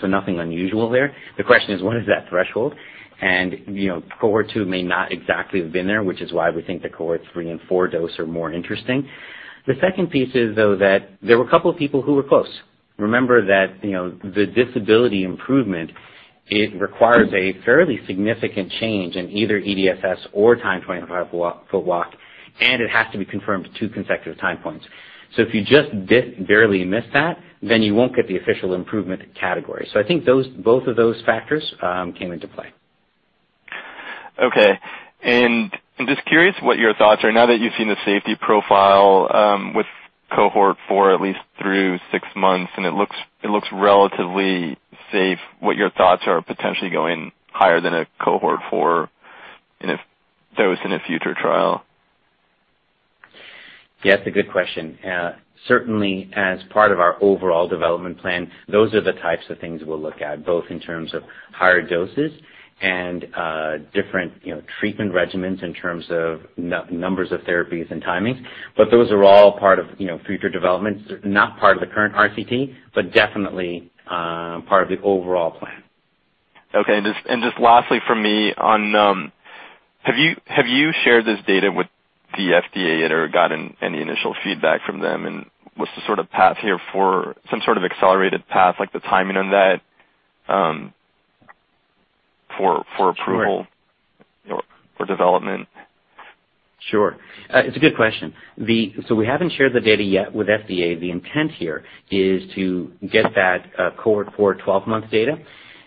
Nothing unusual there. The question is, what is that threshold? Cohort 2 may not exactly have been there, which is why we think the cohort 3 and 4 dose are more interesting. The second piece is, though, that there were a couple of people who were close. Remember that the disability improvement, it requires a fairly significant change in either EDSS or timed 25 foot walk, it has to be confirmed two consecutive time points. If you just barely miss that, you won't get the official improvement category. I think both of those factors came into play. Okay. I'm just curious what your thoughts are now that you've seen the safety profile with cohort 4 at least through six months, and it looks relatively safe, what your thoughts are potentially going higher than a cohort 4 in a dose in a future trial? Yeah, it's a good question. Certainly, as part of our overall development plan, those are the types of things we'll look at, both in terms of higher doses and different treatment regimens in terms of numbers of therapies and timing. Those are all part of future development. Not part of the current RCT, but definitely part of the overall plan. Okay. Just lastly from me. Have you shared this data with the FDA yet or gotten any initial feedback from them? What's the path here for some sort of accelerated path, like the timing on that for approval? Sure. Or development? Sure. It's a good question. We haven't shared the data yet with FDA. The intent here is to get that cohort 4, 12 month data,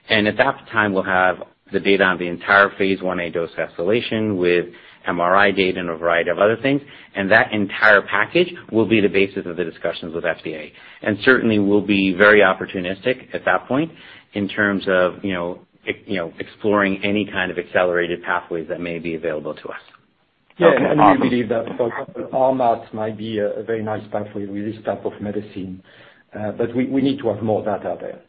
and at that time we'll have the data on the entire phase I-A dose escalation with MRI data and a variety of other things, and that entire package will be the basis of the discussions with FDA. Certainly we'll be very opportunistic at that point in terms of exploring any kind of accelerated pathways that may be available to us. Okay, awesome. Yeah, we believe that, for example, RMAT might be a very nice pathway with this type of medicine. We need to have more data there.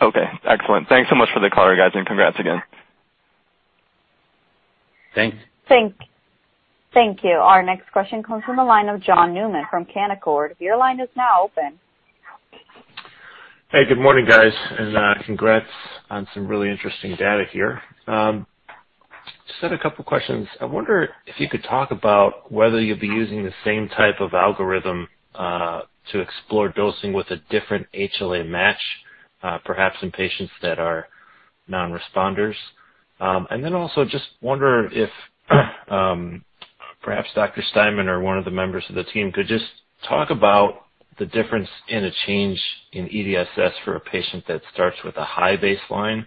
Okay, excellent. Thanks so much for the call, guys, and congrats again. Thanks. Thank you. Our next question comes from the line of John Newman from Canaccord. Your line is now open. Hey, good morning, guys. Congrats on some really interesting data here. Just had a couple questions. I wonder if you could talk about whether you'll be using the same type of algorithm, to explore dosing with a different HLA match, perhaps in patients that are non-responders. Also just wonder if perhaps Dr. Steinman or one of the members of the team could just talk about the difference in a change in EDSS for a patient that starts with a high baseline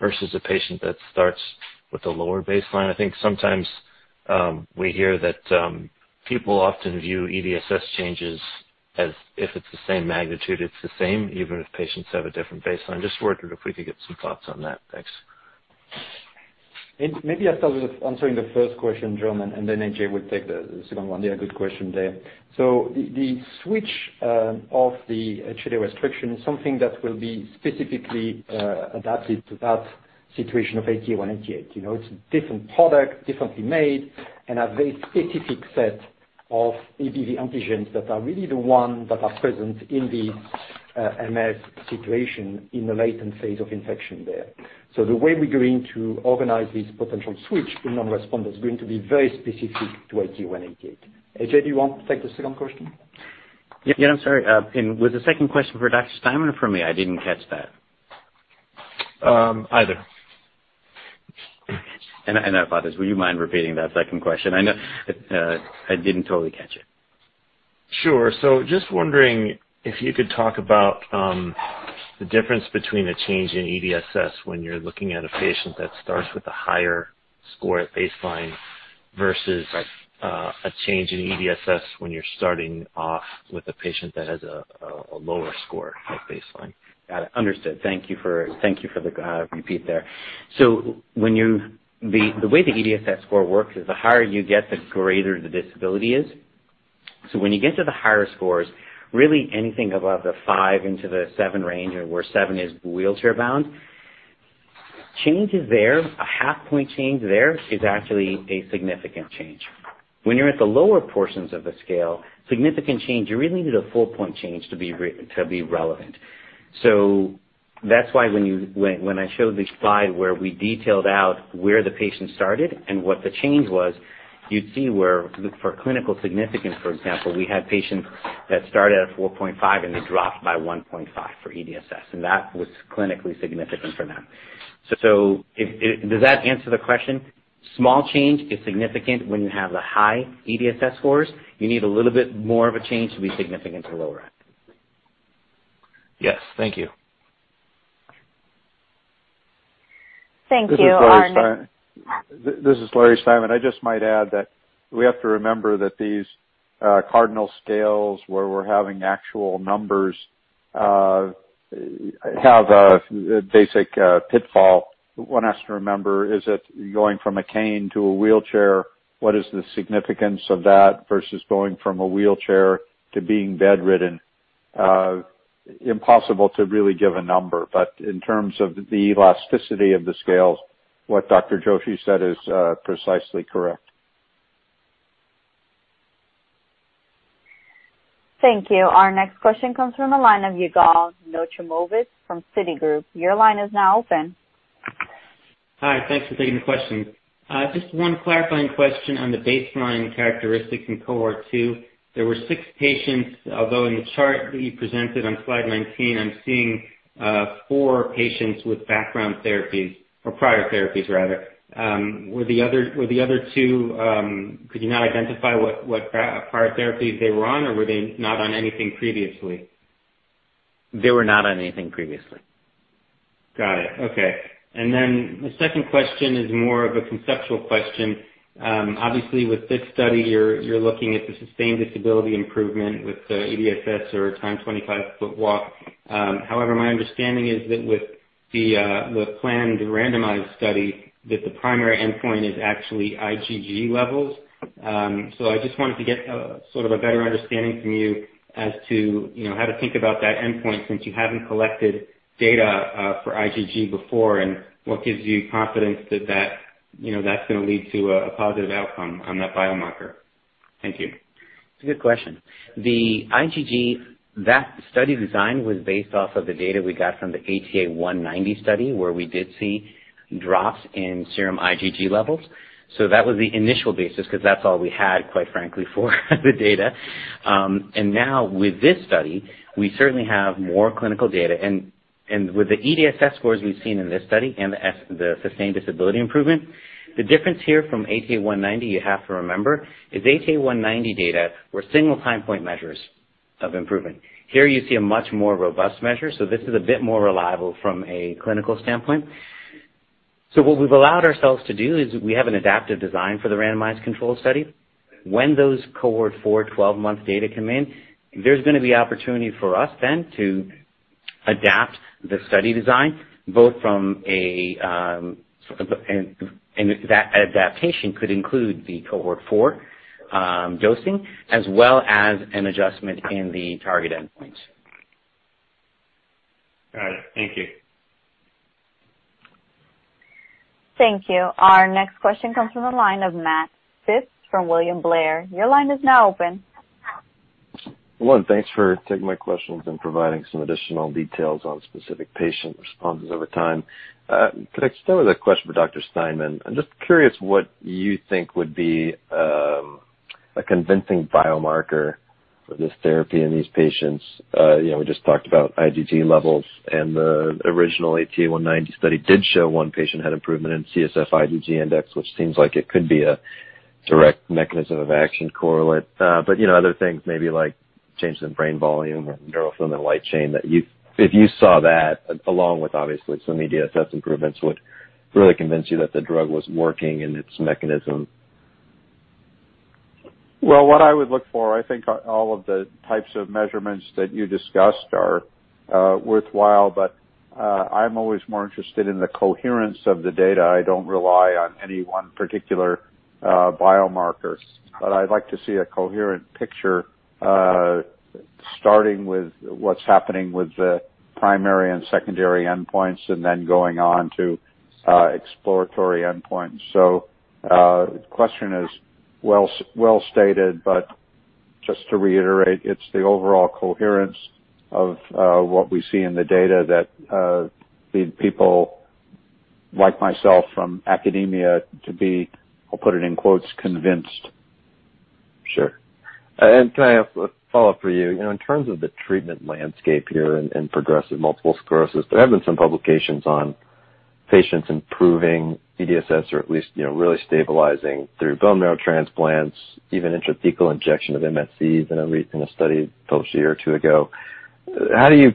versus a patient that starts with a lower baseline. I think sometimes we hear that people often view EDSS changes as if it's the same magnitude, it's the same, even if patients have a different baseline. Just wondered if we could get some thoughts on that. Thanks. Maybe I'll start with answering the first question, John, and then AJ will take the second one. Yeah, good question there. The switch of the HLA restriction is something that will be specifically adapted to that situation of ATA188. It's a different product, differently made, and a very specific set of EBV antigens that are really the ones that are present in the MS situation in the latent phase of infection there. The way we're going to organize this potential switch in non-responders is going to be very specific to ATA188. AJ, do you want to take the second question? Yeah, I'm sorry. Was the second question for Dr. Steinman or for me? I didn't catch that. Either. I apologize, would you mind repeating that second question? I know I didn't totally catch it. Sure. Just wondering if you could talk about the difference between a change in EDSS when you're looking at a patient that starts with a higher score at baseline versus. Right. A change in EDSS when you're starting off with a patient that has a lower score at baseline. Got it. Understood. Thank you for the repeat there. The way the EDSS score works is the higher you get, the greater the disability is. When you get to the higher scores, really anything above the five into the seven range, or where seven is wheelchair-bound, changes there, a half point change there is actually a significant change. When you're at the lower portions of the scale, significant change, you really need a full point change to be relevant. That's why when I showed the slide where we detailed out where the patient started and what the change was, you'd see where for clinical significance, for example, we had patients that started at 4.5 and they dropped by 1.5 for EDSS, and that was clinically significant for them. Does that answer the question? Small change is significant when you have the high EDSS scores. You need a little bit more of a change to be significant to the lower end. Yes. Thank you. Thank you. This is Larry Steinman. I just might add that we have to remember that these cardinal scales where we're having actual numbers have a basic pitfall. One has to remember is it going from a cane to a wheelchair, what is the significance of that versus going from a wheelchair to being bedridden? Impossible to really give a number. In terms of the elasticity of the scales, what Dr. Joshi said is precisely correct. Thank you. Our next question comes from the line of Yigal Nochomovitz from Citigroup. Your line is now open. Hi. Thanks for taking the question. Just one clarifying question on the baseline characteristics in cohort 2. There were six patients, although in the chart that you presented on slide 19, I'm seeing four patients with background therapies or prior therapies rather. Were the other two, could you not identify what prior therapies they were on or were they not on anything previously? They were not on anything previously. Got it. Okay. The second question is more of a conceptual question. Obviously, with this study, you're looking at the sustained disability improvement with EDSS or timed 25-foot walk. However, my understanding is that with the planned randomized study, that the primary endpoint is actually IgG levels. I just wanted to get sort of a better understanding from you as to how to think about that endpoint, since you haven't collected data for IgG before, and what gives you confidence that's going to lead to a positive outcome on that biomarker. Thank you. It's a good question. The IgG, that study design was based off of the data we got from the ATA190 study, where we did see drops in serum IgG levels. That was the initial basis, because that's all we had, quite frankly, for the data. Now with this study, we certainly have more clinical data. With the EDSS scores we've seen in this study and the sustained disability improvement, the difference here from ATA190, you have to remember, is ATA190 data were single time point measures of improvement. Here you see a much more robust measure, so this is a bit more reliable from a clinical standpoint. What we've allowed ourselves to do is we have an adaptive design for the randomized control study. When those cohort 4, 12 month data come in, there's going to be opportunity for us then to adapt the study design. That adaptation could include the cohort 4 dosing as well as an adjustment in the target endpoints. Got it. Thank you. Thank you. Our next question comes from the line of Matt Phipps from William Blair. Your line is now open. One, thanks for taking my questions and providing some additional details on specific patient responses over time. Could I start with a question for Dr. Steinman? I'm just curious what you think would be a convincing biomarker for this therapy in these patients. We just talked about IgG levels, and the original ATA190 study did show one patient had improvement in CSF IgG index, which seems like it could be a direct mechanism of action correlate. Other things maybe like changes in brain volume or neurofilament light chain that if you saw that along with obviously some EDSS improvements, would really convince you that the drug was working in its mechanism. Well, what I would look for, I think all of the types of measurements that you discussed are worthwhile. I'm always more interested in the coherence of the data. I don't rely on any one particular biomarker. I'd like to see a coherent picture, starting with what's happening with the primary and secondary endpoints and then going on to exploratory endpoints. The question is well stated, but just to reiterate, it's the overall coherence of what we see in the data that the people like myself from academia to be, I'll put it in quotes, convinced. Sure. Can I have a follow-up for you? In terms of the treatment landscape here in progressive multiple sclerosis, there have been some publications on patients improving EDSS or at least really stabilizing through bone marrow transplants, even intrathecal injection of MSCs in a study published a year or two ago. How do you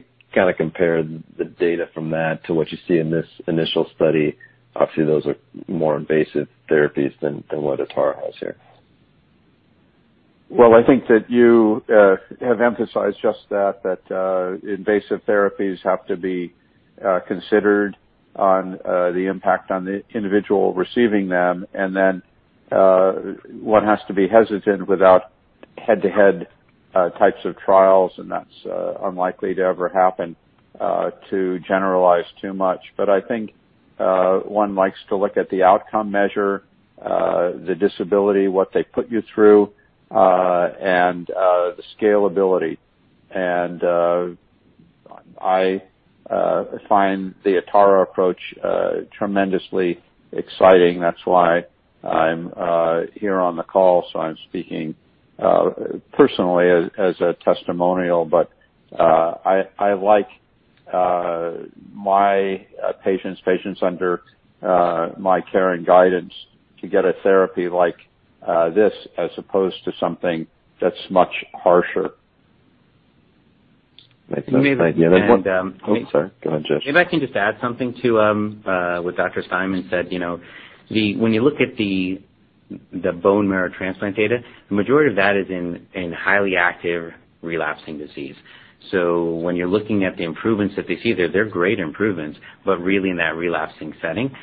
compare the data from that to what you see in this initial study? Obviously, those are more invasive therapies than what Atara has here. Well, I think that you have emphasized just that invasive therapies have to be considered on the impact on the individual receiving them. One has to be hesitant without head-to-head types of trials, and that's unlikely to ever happen to generalize too much. I think one likes to look at the outcome measure, the disability, what they put you through, and the scalability. I find the Atara approach tremendously exciting. That's why I'm here on the call. I'm speaking personally as a testimonial, but I like my patients under my care and guidance to get a therapy like this as opposed to something that's much harsher. Makes sense. Thank you. And- Oh, sorry. Go ahead, Joshi. If I can just add something to what Dr. Steinman said. When you look at the bone marrow transplant data, the majority of that is in highly active relapsing disease. When you're looking at the improvements that they see there, they're great improvements, but really in that relapsing setting.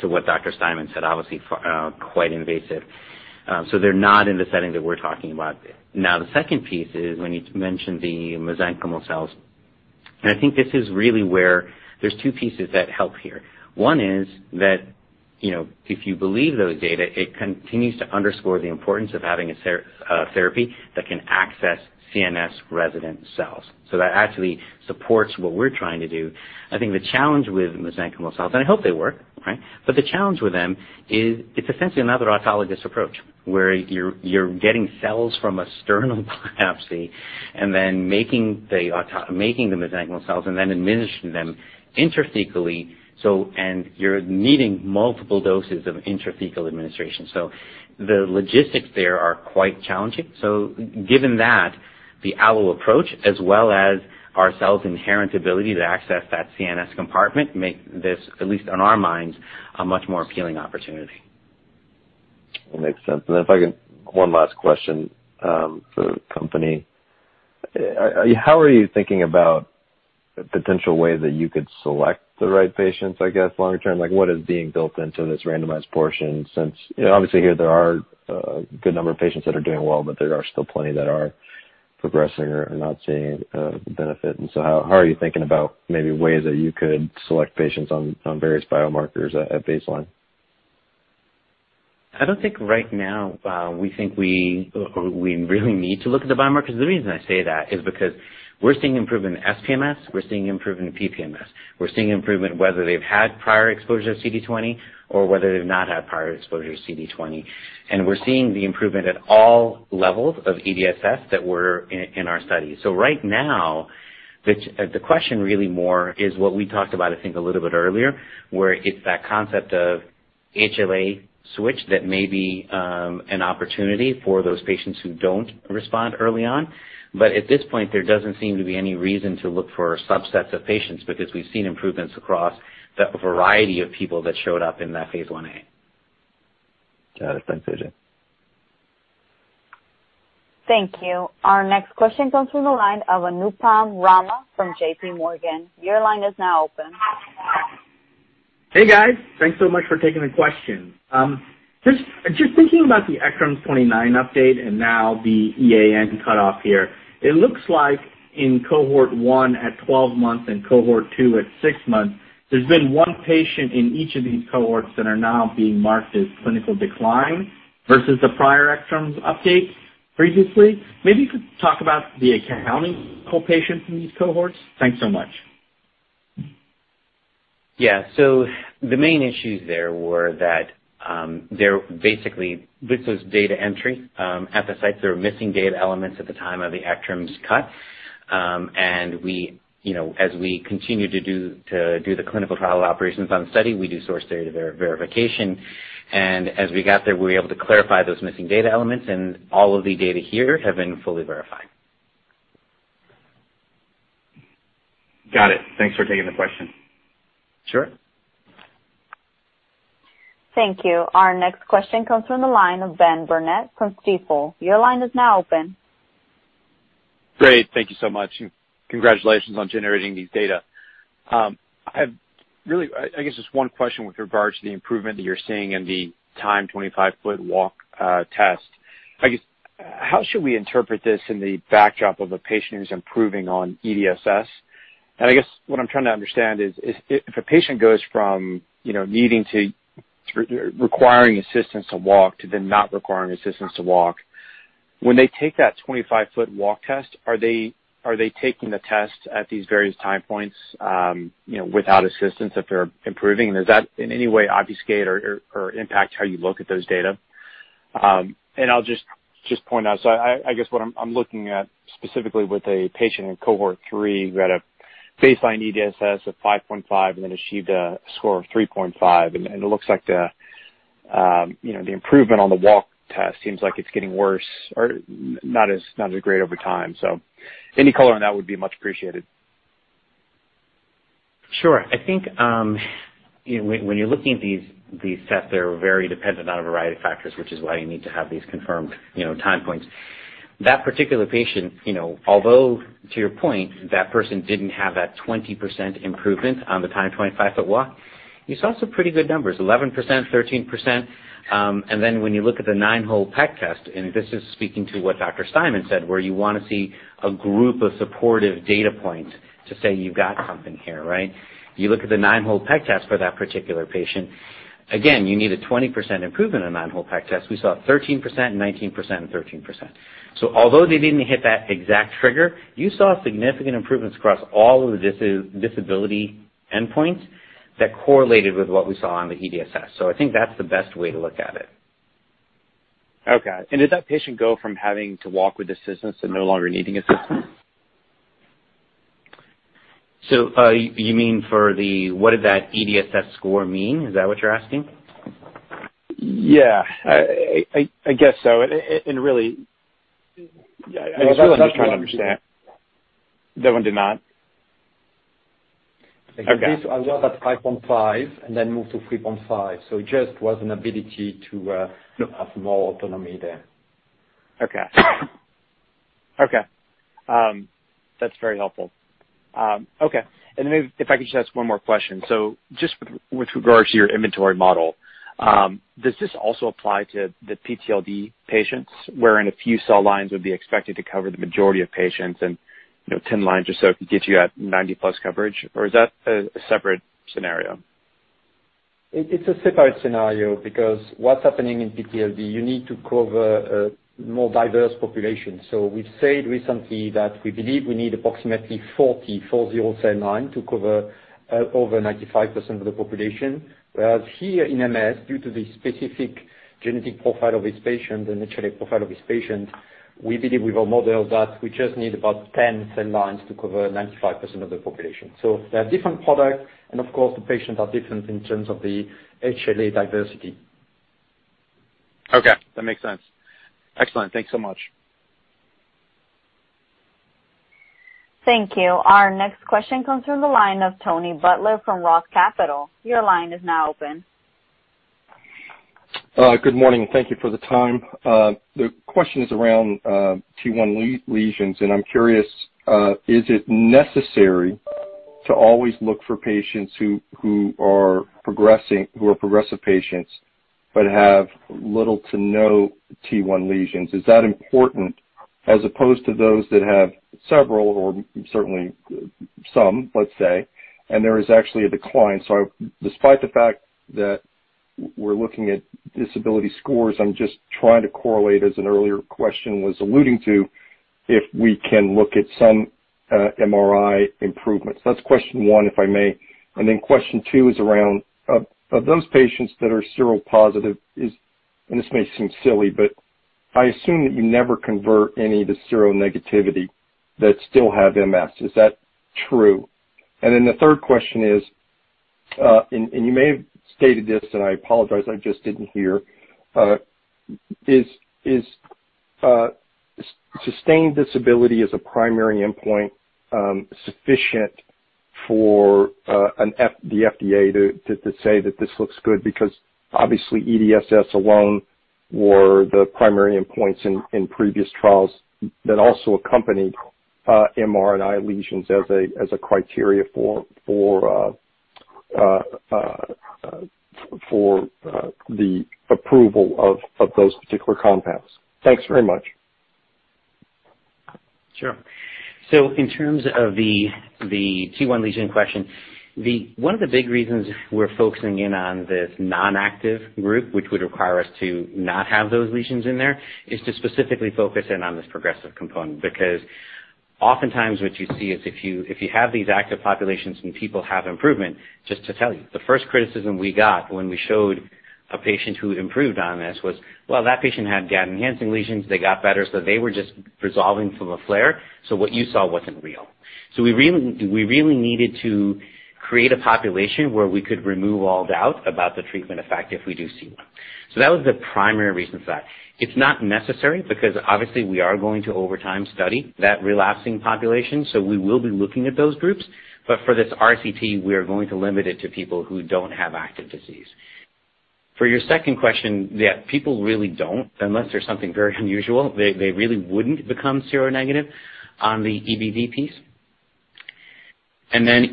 To what Dr. Steinman said, obviously quite invasive. They're not in the setting that we're talking about. The second piece is when you mentioned the mesenchymal cells, and I think this is really where there's two pieces that help here. One is that if you believe those data, it continues to underscore the importance of having a therapy that can access CNS-resident cells. That actually supports what we're trying to do. I think the challenge with mesenchymal cells, and I hope they work, right? The challenge with them is it's essentially another autologous approach, where you're getting cells from a sternal biopsy and then making the mesenchymal cells and then administering them intrathecally. You're needing multiple doses of intrathecal administration. The logistics there are quite challenging. Given that, the allo approach as well as our cells' inherent ability to access that CNS compartment make this, at least in our minds, a much more appealing opportunity. That makes sense. If I can, one last question for the company. How are you thinking about potential ways that you could select the right patients, I guess, long term? What is being built into this randomized portion since obviously here there are a good number of patients that are doing well, but there are still plenty that are progressing or not seeing benefit. How are you thinking about maybe ways that you could select patients on various biomarkers at baseline? I don't think right now we think we really need to look at the biomarkers. The reason I say that is because we're seeing improvement in SPMS, we're seeing improvement in PPMS. We're seeing improvement whether they've had prior exposure to CD20 or whether they've not had prior exposure to CD20. We're seeing the improvement at all levels of EDSS that were in our study. Right now, the question really more is what we talked about, I think, a little bit earlier, where it's that concept of HLA switch that may be an opportunity for those patients who don't respond early on. At this point, there doesn't seem to be any reason to look for subsets of patients because we've seen improvements across the variety of people that showed up in that phase I-A. Got it. Thanks, AJ. Thank you. Our next question comes from the line of Anupam Rama from JPMorgan. Your line is now open. Hey, guys. Thanks so much for taking the question. Just thinking about the ACTRIMS 2019 update and now the EAN cutoff here. It looks like in cohort 1 at 12 months and cohort 2 at six months, there's been one patient in each of these cohorts that are now being marked as clinical decline versus the prior ACTRIMS update previously. Maybe you could talk about the accounting for patients in these cohorts. Thanks so much. Yeah. The main issues there were that this was data entry. At the sites, there were missing data elements at the time of the ACTRIMS cut. As we continue to do the clinical trial operations on study, we do source data verification. As we got there, we were able to clarify those missing data elements, and all of the data here have been fully verified. Got it. Thanks for taking the question. Sure. Thank you. Our next question comes from the line of Ben Burnett from Stifel. Your line is now open. Great. Thank you so much, and congratulations on generating these data. I have really, I guess, just one question with regards to the improvement that you're seeing in the timed 25-foot walk test. I guess, how should we interpret this in the backdrop of a patient who's improving on EDSS? I guess what I'm trying to understand is if a patient goes from needing to requiring assistance to walk to then not requiring assistance to walk, when they take that 25-foot walk test, are they taking the test at these various time points without assistance if they're improving? Does that in any way obfuscate or impact how you look at those data? I'll just point out, I guess what I'm looking at specifically with a patient in cohort 3 who had a baseline EDSS of 5.5 and then achieved a score of 3.5, and it looks like the improvement on the walk test seems like it's getting worse or not as great over time. Any color on that would be much appreciated. Sure. I think when you're looking at these tests, they're very dependent on a variety of factors, which is why you need to have these confirmed time points. That particular patient, although to your point, that person didn't have that 20% improvement on the Timed 25-Foot Walk, you saw some pretty good numbers, 11%, 13%. When you look at the Nine-Hole Peg Test, and this is speaking to what Dr. Steinman said, where you want to see a group of supportive data points to say you've got something here, right? You look at the Nine-Hole Peg Test for that particular patient. Again, you need a 20% improvement in Nine-Hole Peg Test. We saw 13%, 19%, and 13%. Although they didn't hit that exact trigger, you saw significant improvements across all of the disability endpoints that correlated with what we saw on the EDSS. I think that's the best way to look at it. Okay. Did that patient go from having to walk with assistance to no longer needing assistance? You mean for the, what did that EDSS score mean? Is that what you're asking? Yeah. I guess so. I'm just trying to understand. That one did not. Okay. This was at 5.5 and then moved to 3.5. It just was an ability. Yep. Have more autonomy there. Okay. That's very helpful. Okay. Maybe if I could just ask one more question. Just with regards to your inventory model, does this also apply to the PTLD patients, wherein a few cell lines would be expected to cover the majority of patients and 10 lines or so could get you at 90+ coverage? Is that a separate scenario? It's a separate scenario because what's happening in PTLD, you need to cover a more diverse population. We've said recently that we believe we need approximately 40 cell line to cover over 95% of the population. Whereas here in MS, due to the specific genetic profile of this patient and HLA profile of this patient, we believe with our model that we just need about 10 cell lines to cover 95% of the population. They're different products, and of course, the patients are different in terms of the HLA diversity. Okay. That makes sense. Excellent. Thanks so much. Thank you. Our next question comes from the line of Tony Butler from ROTH Capital. Your line is now open. Good morning. Thank you for the time. The question is around T1 lesions, and I'm curious, is it necessary to always look for patients who are progressive patients but have little to no T1 lesions? Is that important as opposed to those that have several or certainly some, let's say, and there is actually a decline? Despite the fact that we're looking at disability scores, I'm just trying to correlate, as an earlier question was alluding to, if we can look at some MRI improvements. That's question one, if I may. Question two is around of those patients that are seropositive is, and this may seem silly, but I assume that you never convert any to seronegativity that still have MS. Is that true? The third question is, and you may have stated this, and I apologize, I just didn't hear. Is sustained disability as a primary endpoint sufficient for the FDA to say that this looks good? Obviously EDSS alone were the primary endpoints in previous trials that also accompanied MRI and eye lesions as a criteria for the approval of those particular compounds. Thanks very much. Sure. In terms of the T1 lesion question, one of the big reasons we're focusing in on this non-active group, which would require us to not have those lesions in there, is to specifically focus in on this progressive component. Oftentimes what you see is if you have these active populations and people have improvement, just to tell you, the first criticism we got when we showed a patient who improved on this was, "Well, that patient had gadolinium-enhancing lesions. They got better, so they were just resolving from a flare. So what you saw wasn't real." We really needed to create a population where we could remove all doubt about the treatment effect if we do see one. That was the primary reason for that. It's not necessary because obviously we are going to, over time, study that relapsing population, so we will be looking at those groups. For this RCT, we are going to limit it to people who don't have active disease. For your second question, yeah, people really don't, unless there's something very unusual, they really wouldn't become seronegative on the EBV piece.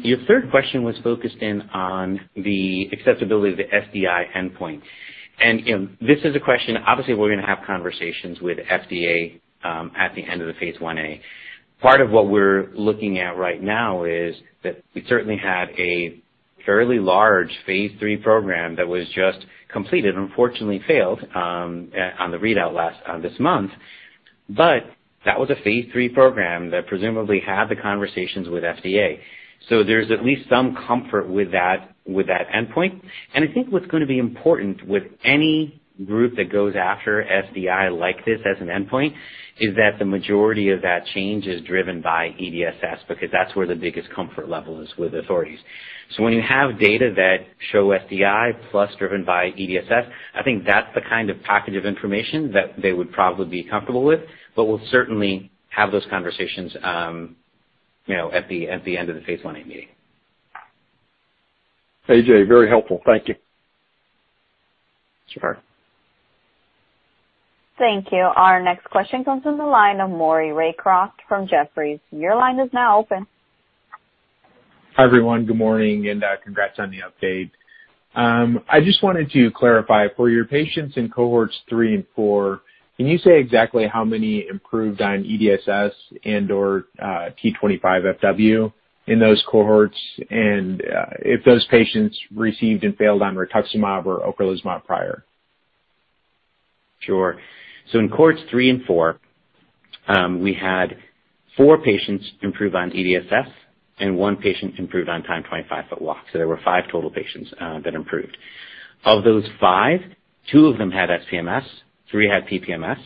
Your third question was focused in on the acceptability of the SDI endpoint. This is a question, obviously, we're going to have conversations with FDA at the end of the phase I-A. Part of what we're looking at right now is that we certainly had a fairly large phase III program that was just completed, unfortunately failed on the readout this month. That was a phase III program that presumably had the conversations with FDA. There's at least some comfort with that endpoint. I think what's going to be important with any group that goes after SDI like this as an endpoint is that the majority of that change is driven by EDSS, because that's where the biggest comfort level is with authorities. When you have data that show SDI plus driven by EDSS, I think that's the kind of package of information that they would probably be comfortable with. We'll certainly have those conversations at the end of the phase I-A meeting. AJ, very helpful. Thank you. Sure. Thank you. Our next question comes from the line of Maury Raycroft from Jefferies. Your line is now open. Hi, everyone. Good morning, and congrats on the update. I just wanted to clarify, for your patients in cohorts 3 and 4, can you say exactly how many improved on EDSS and/or T25FW in those cohorts? If those patients received and failed on rituximab or ocrelizumab prior? Sure. In cohorts 3 and 4, we had four patients improve on EDSS and one patient improve on Timed 25-Foot Walk. There were five total patients that improved. Of those five, two of them had SPMS, three had PPMS,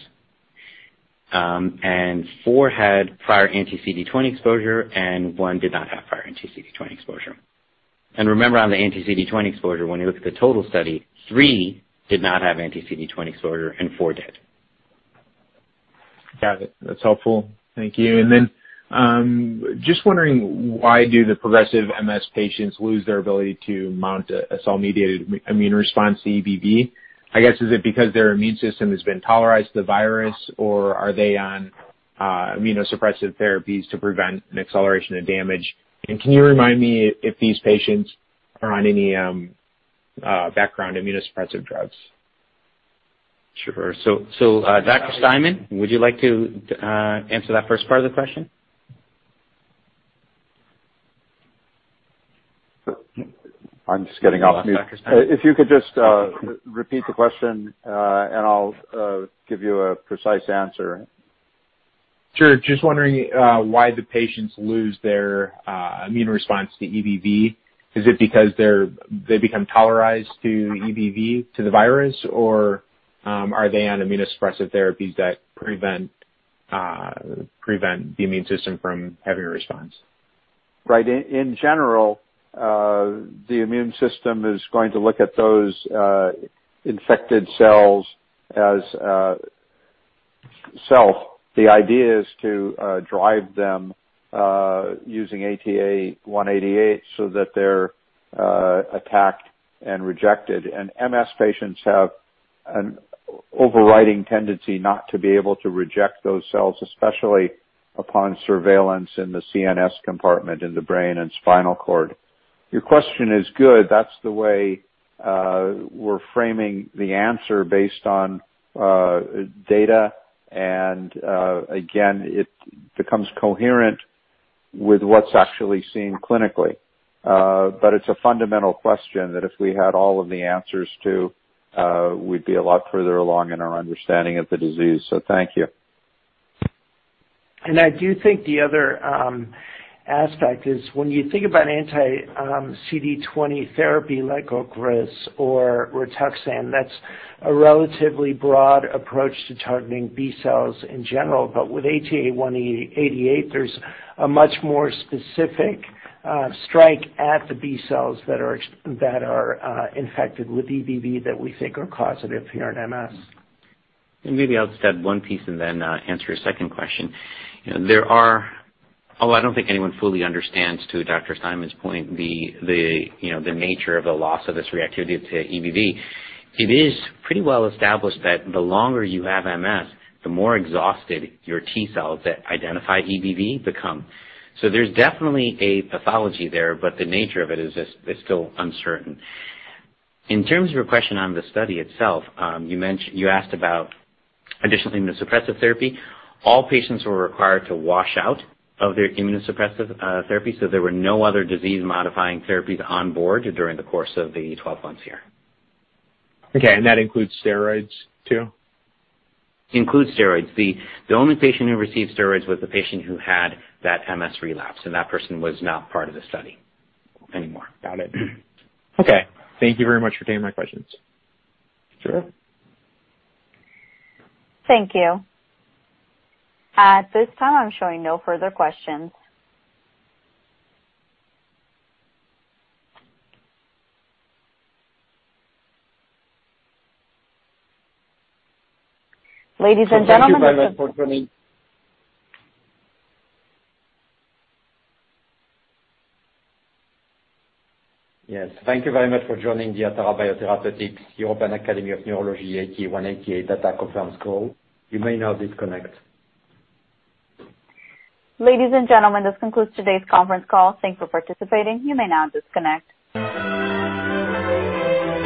and four had prior anti-CD20 exposure, and one did not have prior anti-CD20 exposure. Remember, on the anti-CD20 exposure, when you look at the total study, three did not have anti-CD20 exposure and four did. Got it. That's helpful. Thank you. Just wondering, why do the progressive MS patients lose their ability to mount a cell-mediated immune response to EBV? I guess, is it because their immune system has been tolerized to the virus, or are they on immunosuppressive therapies to prevent an acceleration of damage? Can you remind me if these patients are on any background immunosuppressive drugs? Sure. Dr. Steinman, would you like to answer that first part of the question? I'm just getting off mute. If you could just repeat the question and I'll give you a precise answer. Sure. Just wondering why the patients lose their immune response to EBV. Is it because they become tolerized to EBV, to the virus, or are they on immunosuppressive therapies that prevent the immune system from having a response? Right. In general, the immune system is going to look at those infected cells as self. The idea is to drive them using ATA188 so that they're attacked and rejected. MS patients have an overriding tendency not to be able to reject those cells, especially upon surveillance in the CNS compartment in the brain and spinal cord. Your question is good. That's the way we're framing the answer based on data, and again, it becomes coherent with what's actually seen clinically. It's a fundamental question that if we had all of the answers to, we'd be a lot further along in our understanding of the disease. Thank you. I do think the other aspect is when you think about anti-CD20 therapy like Ocrevus or Rituxan, that's a relatively broad approach to targeting B cells in general. With ATA188, there's a much more specific strike at the B cells that are infected with EBV that we think are causative here in MS. Maybe I'll just add one piece and then answer your second question. Although I don't think anyone fully understands, to Dr. Steinman's point, the nature of the loss of this reactivity to EBV, it is pretty well established that the longer you have MS, the more exhausted your T cells that identify EBV become. There's definitely a pathology there, but the nature of it is still uncertain. In terms of your question on the study itself, you asked about additional immunosuppressive therapy. All patients were required to wash out of their immunosuppressive therapy, so there were no other disease-modifying therapies on board during the course of the 12 months here. Okay, that includes steroids too? Includes steroids. The only patient who received steroids was the patient who had that MS relapse, and that person was not part of the study anymore. Got it. Okay. Thank you very much for taking my questions. Sure. Thank you. At this time, I'm showing no further questions. Ladies and gentlemen. Thank you very much for joining. Yes. Thank you very much for joining the Atara Biotherapeutics European Academy of Neurology ATA188 data conference call. You may now disconnect. Ladies and gentlemen, this concludes today's conference call. Thank you for participating. You may now disconnect.